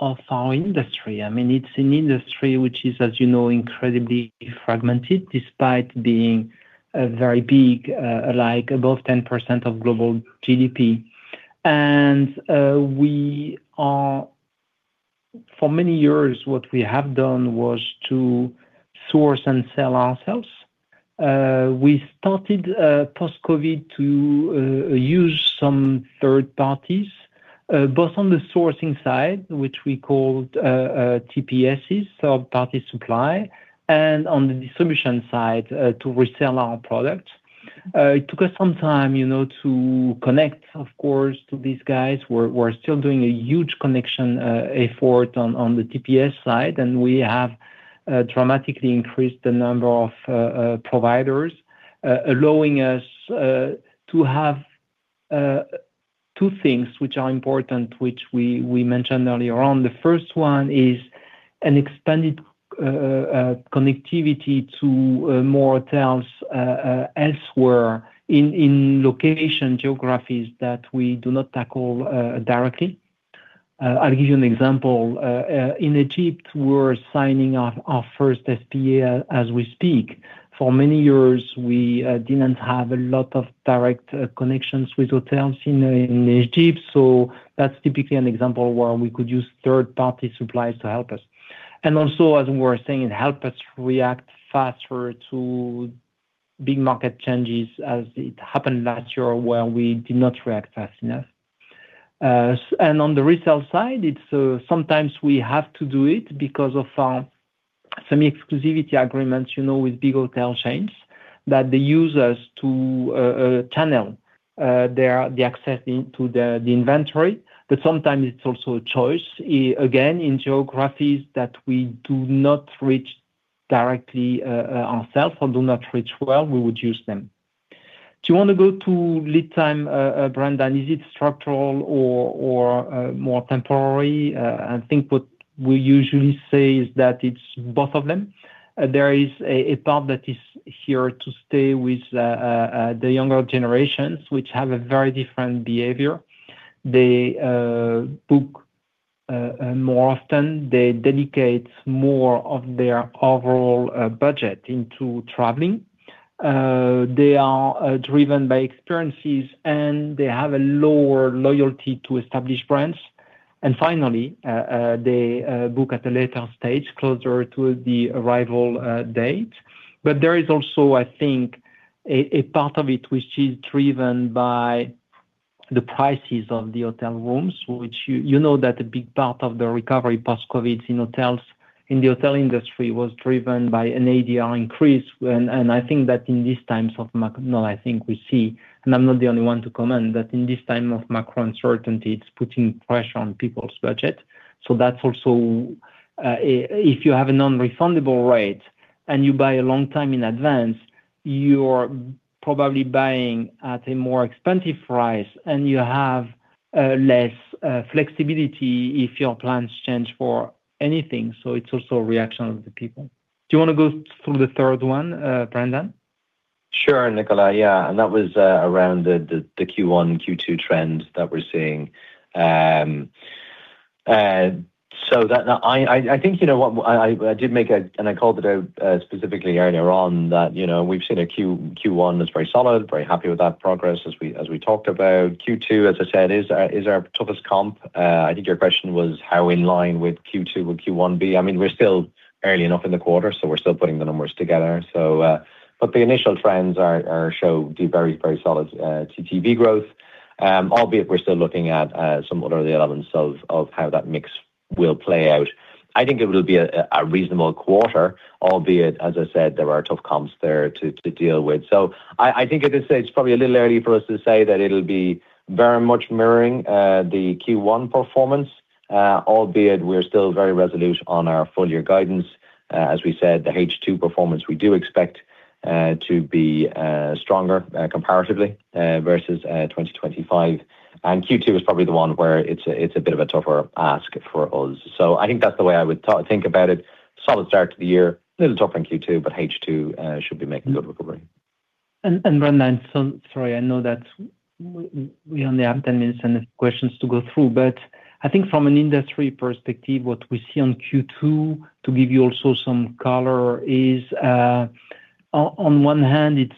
of our industry. I mean, it's an industry which is, as you know, incredibly fragmented, despite being a very big, like above 10% of global GDP. We are. For many years, what we have done was to source and sell ourselves. We started post-COVID to use some third parties, both on the sourcing side, which we called TPSs, so third party supply, and on the distribution side, to resell our product. It took us some time, you know, to connect, of course, to these guys. We're still doing a huge connection effort on the TPS side, and we have dramatically increased the number of providers, allowing us to have two things which are important, which we mentioned earlier on. The first one is an expanded connectivity to more hotels elsewhere in location geographies that we do not tackle directly. I'll give you an example. In Egypt, we're signing off our first SPA as we speak. For many years, we didn't have a lot of direct connections with hotels in Egypt, so that's typically an example where we could use third-party suppliers to help us. And also, as we were saying, it help us react faster to big market changes as it happened last year, where we did not react fast enough. And on the resale side, it's sometimes we have to do it because of some exclusivity agreements, you know, with big hotel chains, that they use us to channel their access into the inventory. But sometimes it's also a choice, again, in geographies that we do not reach directly ourselves or do not reach well, we would use them. Do you want to go to lead time, Brendan? Is it structural or more temporary? I think what we usually say is that it's both of them. There is a part that is here to stay with the younger generations, which have a very different behavior. They book more often. They dedicate more of their overall budget into traveling. They are driven by experiences, and they have a lower loyalty to established brands. And finally, they book at a later stage, closer to the arrival date. But there is also, I think, a part of it which is driven by the prices of the hotel rooms, which you know that a big part of the recovery post-COVID in hotels, in the hotel industry was driven by an ADR increase when I think that in these times of macro, now I think we see, and I'm not the only one to comment, that in this time of macro uncertainty, it's putting pressure on people's budget. So that's also, if you have a non-refundable rate and you buy a long time in advance, you're probably buying at a more expensive price, and you have less flexibility if your plans change for anything. So it's also a reaction of the people. Do you wanna go through the third one, Brendan? Sure, Nicolas. Yeah, and that was around the Q1, Q2 trend that we're seeing. I think you know what? I did make a, and I called it out specifically earlier on, that, you know, we've seen a Q1 that's very solid, very happy with that progress as we talked about. Q2, as I said, is our toughest comp. I think your question was how in line with Q2 will Q1 be? I mean, we're still early enough in the quarter, so we're still putting the numbers together. But the initial trends show very solid TTV growth, albeit we're still looking at some other elements of how that mix will play out. I think it will be a reasonable quarter, albeit, as I said, there are tough comps there to deal with. So I think at this stage, it's probably a little early for us to say that it'll be very much mirroring the Q1 performance, albeit we're still very resolute on our full year guidance. As we said, the H2 performance, we do expect to be stronger comparatively versus 2025. And Q2 is probably the one where it's a bit of a tougher ask for us. So I think that's the way I would think about it. Solid start to the year. Little tougher in Q2, but H2 should be making a good recovery. Brendan, so sorry, I know that we only have 10 minutes and there's questions to go through, but I think from an industry perspective, what we see on Q2, to give you also some color, is, on one hand, it's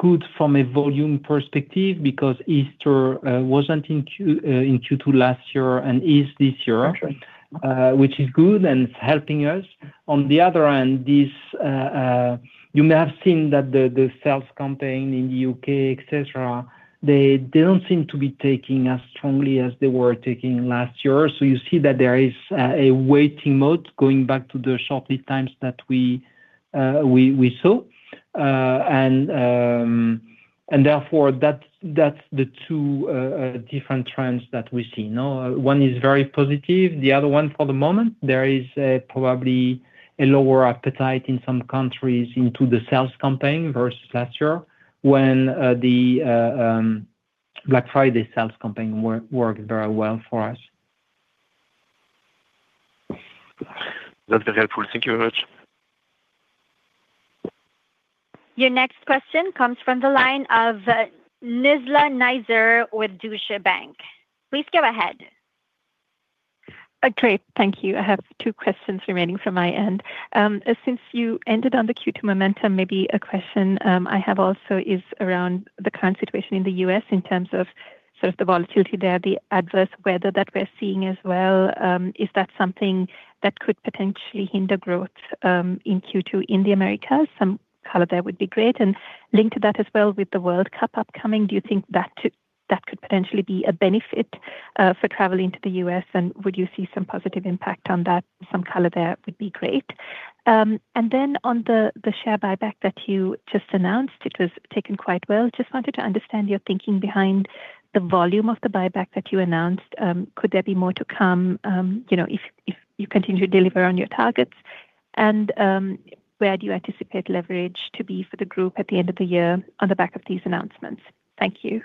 good from a volume perspective because Easter wasn't in Q2 last year and is this year. Got you. Which is good, and it's helping us. On the other hand, this, you may have seen that the sales campaign in the U.K., et cetera, they don't seem to be taking as strongly as they were taking last year. So you see that there is a waiting mode going back to the short lead times that we saw. And therefore, that's the two different trends that we see. Now, one is very positive, the other one, for the moment, there is probably a lower appetite in some countries into the sales campaign versus last year, when the Black Friday sales campaign worked very well for us. That's very helpful. Thank you very much. Your next question comes from the line of, Nizla Naizer with Deutsche Bank. Please go ahead. Great. Thank you. I have two questions remaining from my end. Since you ended on the Q2 momentum, maybe a question, I have also is around the current situation in the U.S. in terms of sort of the volatility there, the adverse weather that we're seeing as well. Is that something that could potentially hinder growth in Q2 in the Americas? Some color there would be great. And linked to that as well, with the World Cup upcoming, do you think that that could potentially be a benefit for traveling to the U.S., and would you see some positive impact on that? Some color there would be great. And then on the share buyback that you just announced, it was taken quite well. Just wanted to understand your thinking behind the volume of the buyback that you announced. Could there be more to come, you know, if you continue to deliver on your targets? And where do you anticipate leverage to be for the group at the end of the year on the back of these announcements? Thank you.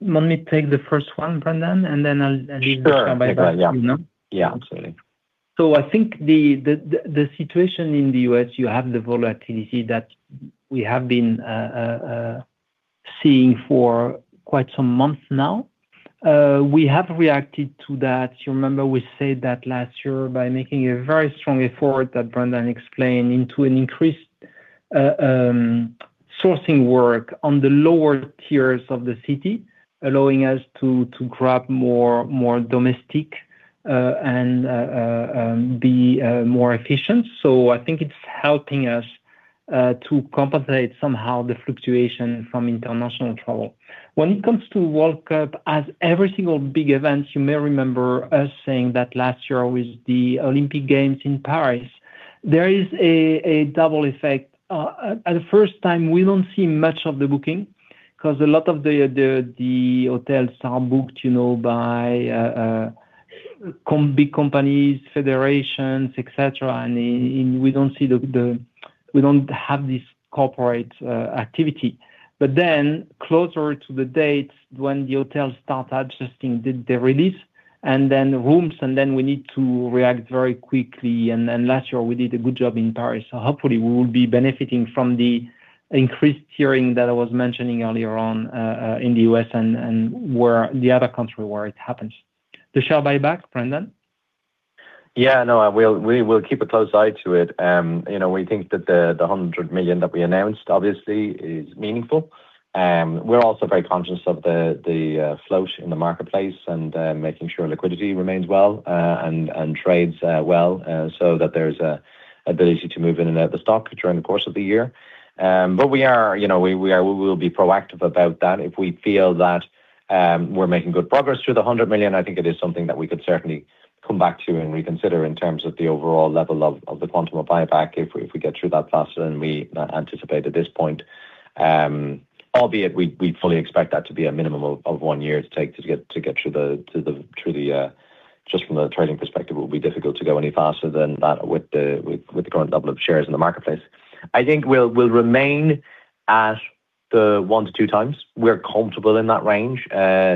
Want me to take the first one, Brendan, and then I'll, I'll leave the buyback- Sure. Yeah. You know? Yeah, absolutely. So I think the situation in the U.S., you have the volatility that we have been seeing for quite some months now. We have reacted to that. You remember we said that last year by making a very strong effort, that Brendan explained, into an increased sourcing work on the lower tiers of the city, allowing us to grab more domestic and be more efficient. So I think it's helping us to compensate somehow the fluctuation from international travel. When it comes to World Cup, as every single big event, you may remember us saying that last year with the Olympic Games in Paris, there is a double effect. At the first time, we don't see much of the booking, 'cause a lot of the hotels are booked, you know, by big companies, federations, et cetera, and we don't see. We don't have this corporate activity. But then, closer to the date, when the hotels start adjusting the release, and then rooms, and then we need to react very quickly, and last year we did a good job in Paris. So hopefully we will be benefiting from the increased tiering that I was mentioning earlier on, in the US and the other country where it happens. The share buyback, Brendan? Yeah, no, we'll keep a close eye to it. You know, we think that the 100 million that we announced obviously is meaningful. We're also very conscious of the float in the marketplace, and making sure liquidity remains well and trades well, so that there's an ability to move in and out of the stock during the course of the year. But we are, you know, we will be proactive about that. If we feel that we're making good progress through the 100 million, I think it is something that we could certainly come back to and reconsider in terms of the overall level of the quantum of buyback if we get through that faster than we anticipate at this point. Albeit we fully expect that to be a minimum of 1 year to take to get through the, just from a trading perspective, it would be difficult to go any faster than that with the current level of shares in the marketplace. I think we'll remain at the 1-2x. We're comfortable in that range.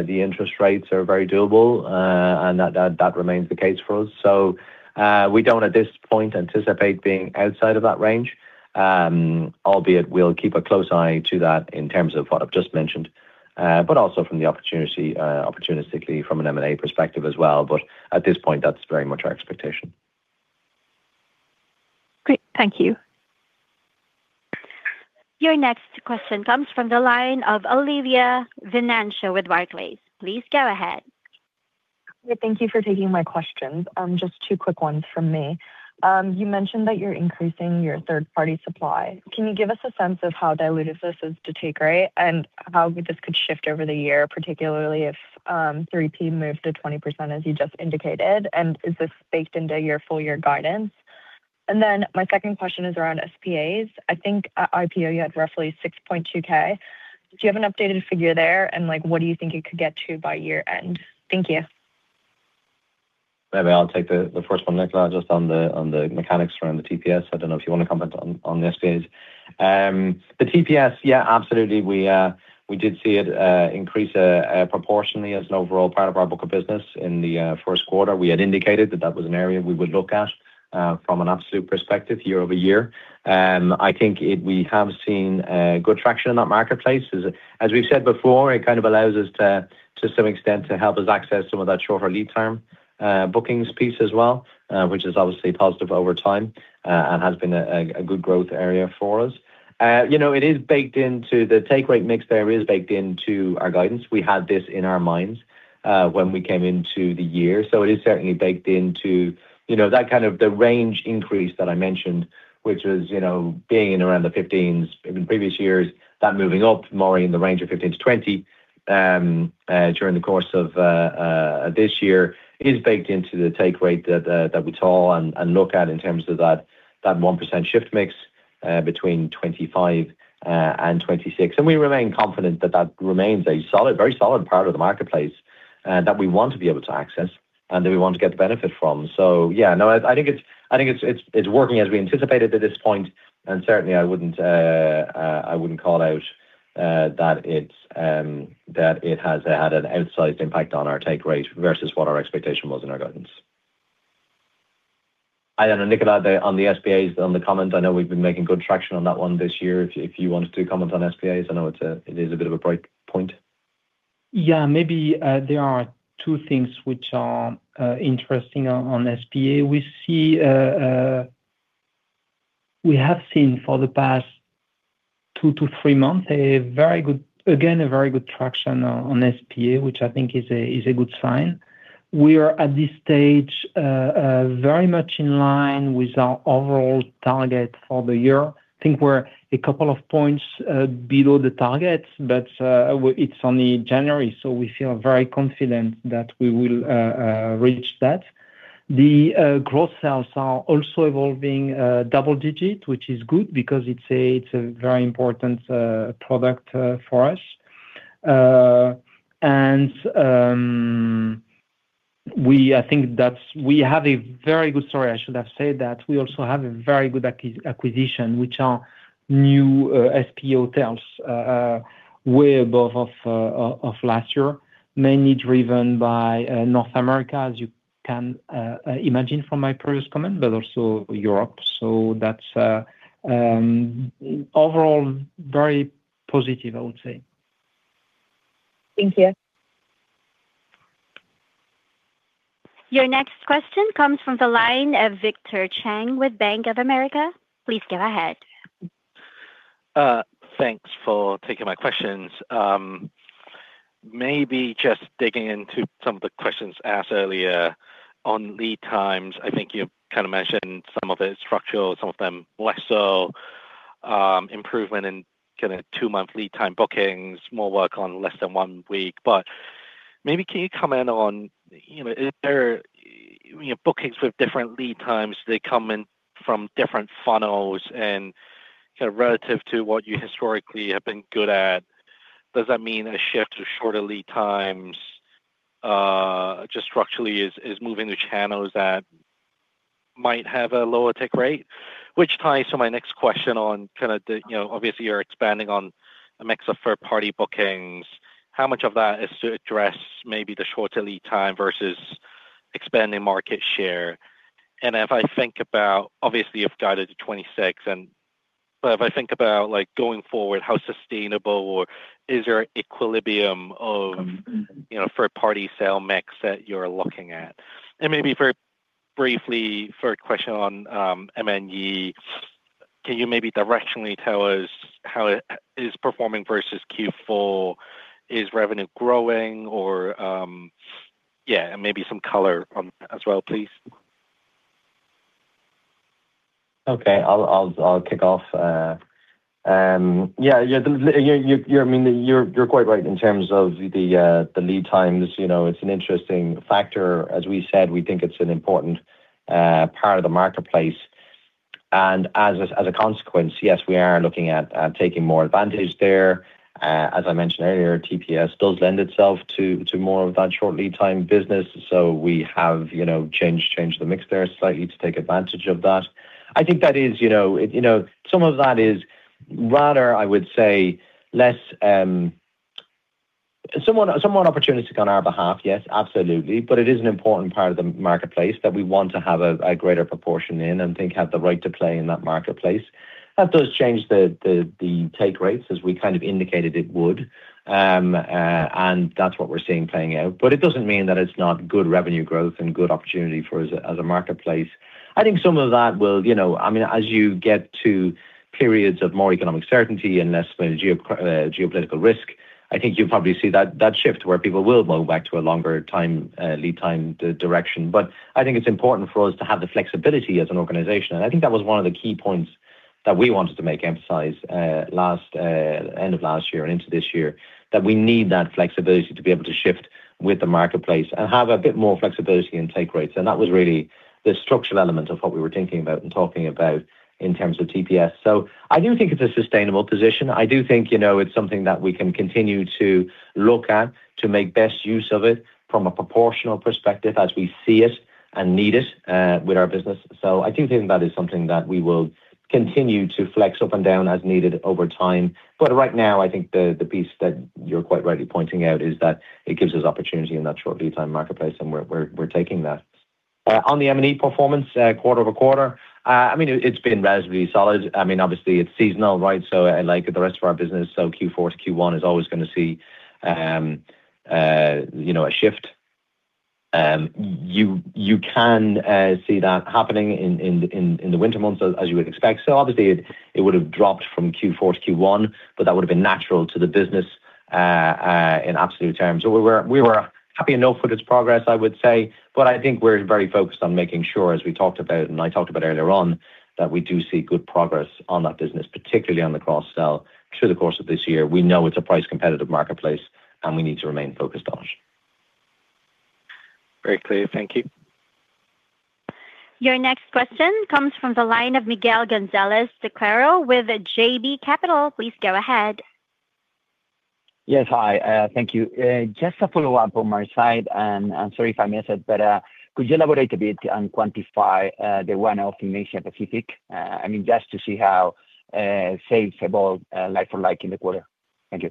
The interest rates are very doable, and that remains the case for us. So, we don't, at this point, anticipate being outside of that range, albeit we'll keep a close eye to that in terms of what I've just mentioned, but also from the opportunity, opportunistically from an M&A perspective as well. But at this point, that's very much our expectation. Great, thank you. Your next question comes from the line of Olivia Venancio with Barclays. Please go ahead. Yeah, thank you for taking my questions. Just two quick ones from me. You mentioned that you're increasing your third-party supply. Can you give us a sense of how diluted this is to take rate, and how this could shift over the year, particularly if 3P moved to 20%, as you just indicated, and is this baked into your full year guidance? And then my second question is around SPAs. I think at IPO, you had roughly 6.2K. Do you have an updated figure there, and, like, what do you think it could get to by year-end? Thank you. Maybe I'll take the first one, Nicolas, just on the mechanics around the TPS. I don't know if you want to comment on the SPAs. The TPS, yeah, absolutely, we did see it increase proportionally as an overall part of our book of business in the first quarter. We had indicated that that was an area we would look at from an absolute perspective, year-over-year. And I think it—we have seen good traction in that marketplace. As we've said before, it kind of allows us to some extent to help us access some of that shorter lead time bookings piece as well, which is obviously positive over time, and has been a good growth area for us. You know, it is baked into the take rate mix there, it is baked into our guidance. We had this in our minds, when we came into the year, so it is certainly baked into, you know, that kind of the range increase that I mentioned, which was, you know, being in around the 15% in previous years, that moving up more in the range of 15%-20%, during the course of, this year, is baked into the take rate that, that we saw and, and look at in terms of that, that 1% shift mix, between 2025, and 2026. And we remain confident that that remains a solid, very solid part of the marketplace, that we want to be able to access and that we want to get the benefit from. So yeah, no, I think it's, I think it's, it's working as we anticipated at this point, and certainly I wouldn't, I wouldn't call out that it's that it has had an outsized impact on our take rate versus what our expectation was in our guidance. I don't know, Nicolas, on the SPAs, on the comment. I know we've been making good traction on that one this year. If you wanted to comment on SPAs, I know it is a bit of a bright point. Yeah, maybe there are two things which are interesting on SPA. We have seen for the past 2-3 months a very good traction on SPA, which I think is a good sign. We are at this stage very much in line with our overall target for the year. I think we're a couple of points below the target, but it's only January, so we feel very confident that we will reach that. The growth sales are also evolving double-digit, which is good because it's a very important product for us. And we have a very good story. I should have said that we also have a very good acquisition, which are new SPA hotels way above of last year, mainly driven by North America, as you can imagine from my previous comment, but also Europe. So that's overall very positive, I would say. Thank you. Your next question comes from the line of Victor Cheng with Bank of America. Please go ahead. Thanks for taking my questions. Maybe just digging into some of the questions asked earlier. On lead times, I think you kind of mentioned some of it is structural, some of them less so, improvement in kind of two-month lead time bookings, more work on less than one week. But maybe can you comment on, you know, is there, you know, bookings with different lead times, they come in from different funnels and kind of relative to what you historically have been good at, does that mean a shift to shorter lead times, just structurally is, is moving to channels that might have a lower take rate? Which ties to my next question on kind of the, you know, obviously you're expanding on a mix of third-party bookings. How much of that is to address maybe the shorter lead time versus expanding market share? If I think about, obviously, you've guided to 2026, and, but if I think about, like, going forward, how sustainable or is there an equilibrium of, you know, third-party sale mix that you're looking at? And maybe very briefly, third question on M&E. Can you maybe directionally tell us how it is performing versus Q4? Is revenue growing and maybe some color on as well, please. Okay. I'll kick off. I mean, you're quite right in terms of the lead times. You know, it's an interesting factor. As we said, we think it's an important part of the marketplace. And as a consequence, yes, we are looking at taking more advantage there. As I mentioned earlier, TPS does lend itself to more of that short lead time business, so we have, you know, changed the mix there slightly to take advantage of that. I think that is, you know, some of that is rather, I would say, somewhat opportunistic on our behalf. Yes, absolutely. But it is an important part of the marketplace that we want to have a greater proportion in, and think have the right to play in that marketplace. That does change the take rates, as we kind of indicated it would. And that's what we're seeing playing out. But it doesn't mean that it's not good revenue growth and good opportunity for us as a marketplace. I think some of that will, you know, I mean, as you get to periods of more economic certainty and less geopolitical risk, I think you'll probably see that shift, where people will go back to a longer time lead time direction. But I think it's important for us to have the flexibility as an organization, and I think that was one of the key points that we wanted to make emphasize, last end of last year and into this year, that we need that flexibility to be able to shift with the marketplace and have a bit more flexibility in take rates. And that was really the structural element of what we were thinking about and talking about in terms of TPS. So I do think it's a sustainable position. I do think, you know, it's something that we can continue to look at to make best use of it from a proportional perspective as we see it and need it, with our business. So I do think that is something that we will continue to flex up and down as needed over time. But right now, I think the piece that you're quite rightly pointing out is that it gives us opportunity in that short lead time marketplace, and we're taking that. On the M&E performance, quarter-over-quarter, I mean, it's been relatively solid. I mean, obviously, it's seasonal, right? So and like the rest of our business, so Q4 to Q1 is always gonna see, you know, a shift. You can see that happening in the winter months, as you would expect. So obviously, it would have dropped from Q4 to Q1, but that would have been natural to the business, in absolute terms. So we were happy enough with its progress, I would say, but I think we're very focused on making sure, as we talked about and I talked about earlier on, that we do see good progress on that business, particularly on the cross-sell through the course of this year. We know it's a price competitive marketplace, and we need to remain focused on it. Very clear. Thank you. Your next question comes from the line of Miguel González Toquero with JB Capital. Please go ahead. Yes. Hi, thank you. Just a follow-up on my side, and I'm sorry if I missed it, but, could you elaborate a bit and quantify the one-off in Asia Pacific? I mean, just to see how sales evolved, like for like in the quarter. Thank you.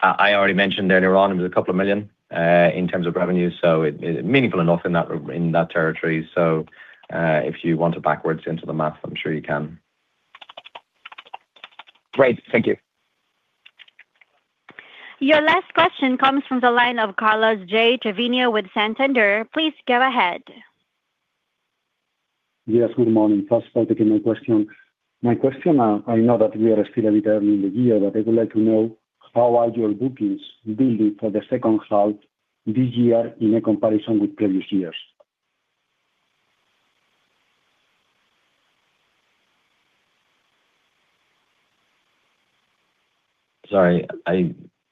I already mentioned earlier on, it was 2 million in terms of revenue, so it, it meaningful enough in that, in that territory. So, if you want to backwards into the math, I'm sure you can. Great. Thank you. Your last question comes from the line of Carlos J. Treviño with Santander. Please go ahead. Yes, good morning. First of all, thank you my question. My question, I know that we are still a bit early in the year, but I would like to know, how are your bookings building for the second half this year in a comparison with previous years? Sorry.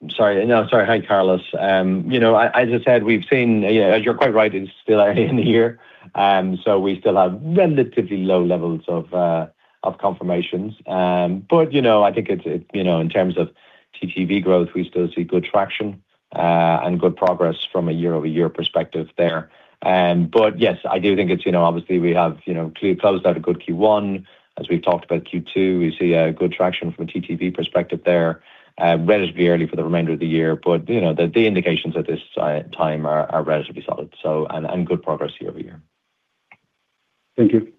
Sorry. No, sorry. Hi, Carlos. You know, as I said, we've seen, yeah, as you're quite right, it's still early in the year, so we still have relatively low levels of, of confirmations. But, you know, I think it's, it, you know, in terms of TTV growth, we still see good traction, and good progress from a year-over-year perspective there. But yes, I do think it's, you know, obviously we have, you know, clearly closed out a good Q1. As we've talked about Q2, we see a good traction from a TTV perspective there, relatively early for the remainder of the year, but, you know, the, the indications at this time are, are relatively solid, so, and, and good progress year-over-year. Thank you.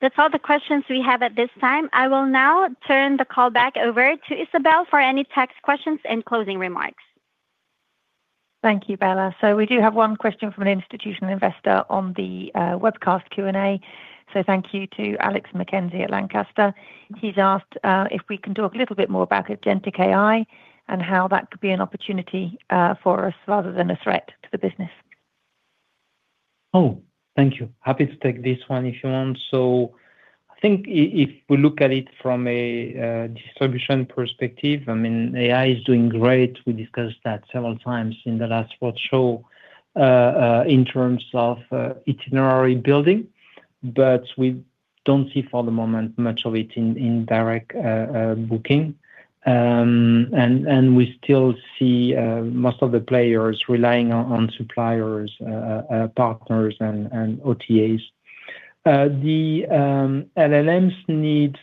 That's all the questions we have at this time. I will now turn the call back over to Isabel for any text questions and closing remarks. Thank you, Bella. So we do have one question from an institutional investor on the webcast Q&A. So thank you to Alex Mackenzie at Lancaster. He's asked if we can talk a little bit more about agentic AI and how that could be an opportunity for us rather than a threat to the business. Oh, thank you. Happy to take this one if you want. So I think if we look at it from a distribution perspective, I mean, AI is doing great. We discussed that several times in the last roadshow in terms of itinerary building, but we don't see for the moment much of it in direct booking. And we still see most of the players relying on suppliers, partners and OTAs. The LLMs needs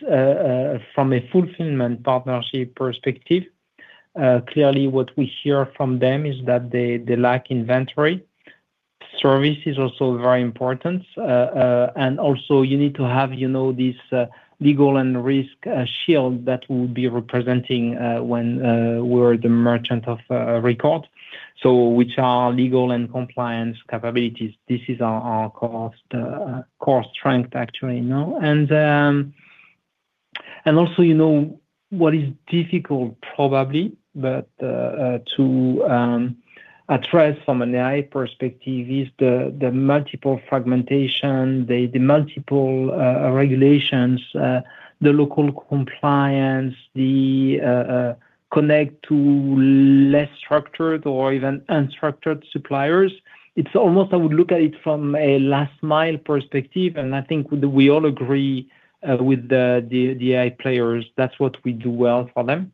from a fulfillment partnership perspective clearly what we hear from them is that they lack inventory. Service is also very important. And also you need to have, you know, this legal and risk shield that will be representing when we're the merchant of record. So which are legal and compliance capabilities, this is our core strength, actually, you know? And also, you know, what is difficult probably, but to address from an AI perspective is the multiple fragmentation, the multiple regulations, the local compliance, the connecting to less structured or even unstructured suppliers. It's almost, I would look at it from a last mile perspective, and I think we all agree with the AI players, that's what we do well for them.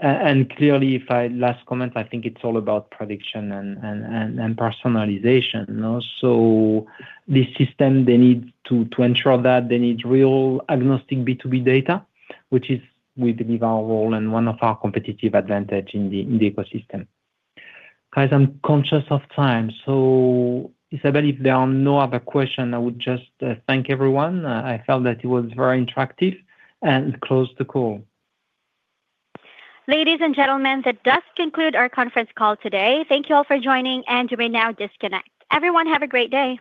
And clearly, as my last comment, I think it's all about prediction and personalization, you know? So this system, they need to ensure that they need truly agnostic B2B data, which is, we believe, our role and one of our competitive advantage in the ecosystem. Guys, I'm conscious of time, so Isabel, if there are no other question, I would just thank everyone. I felt that it was very interactive and close the call. Ladies and gentlemen, that does conclude our conference call today. Thank you all for joining, and you may now disconnect. Everyone, have a great day.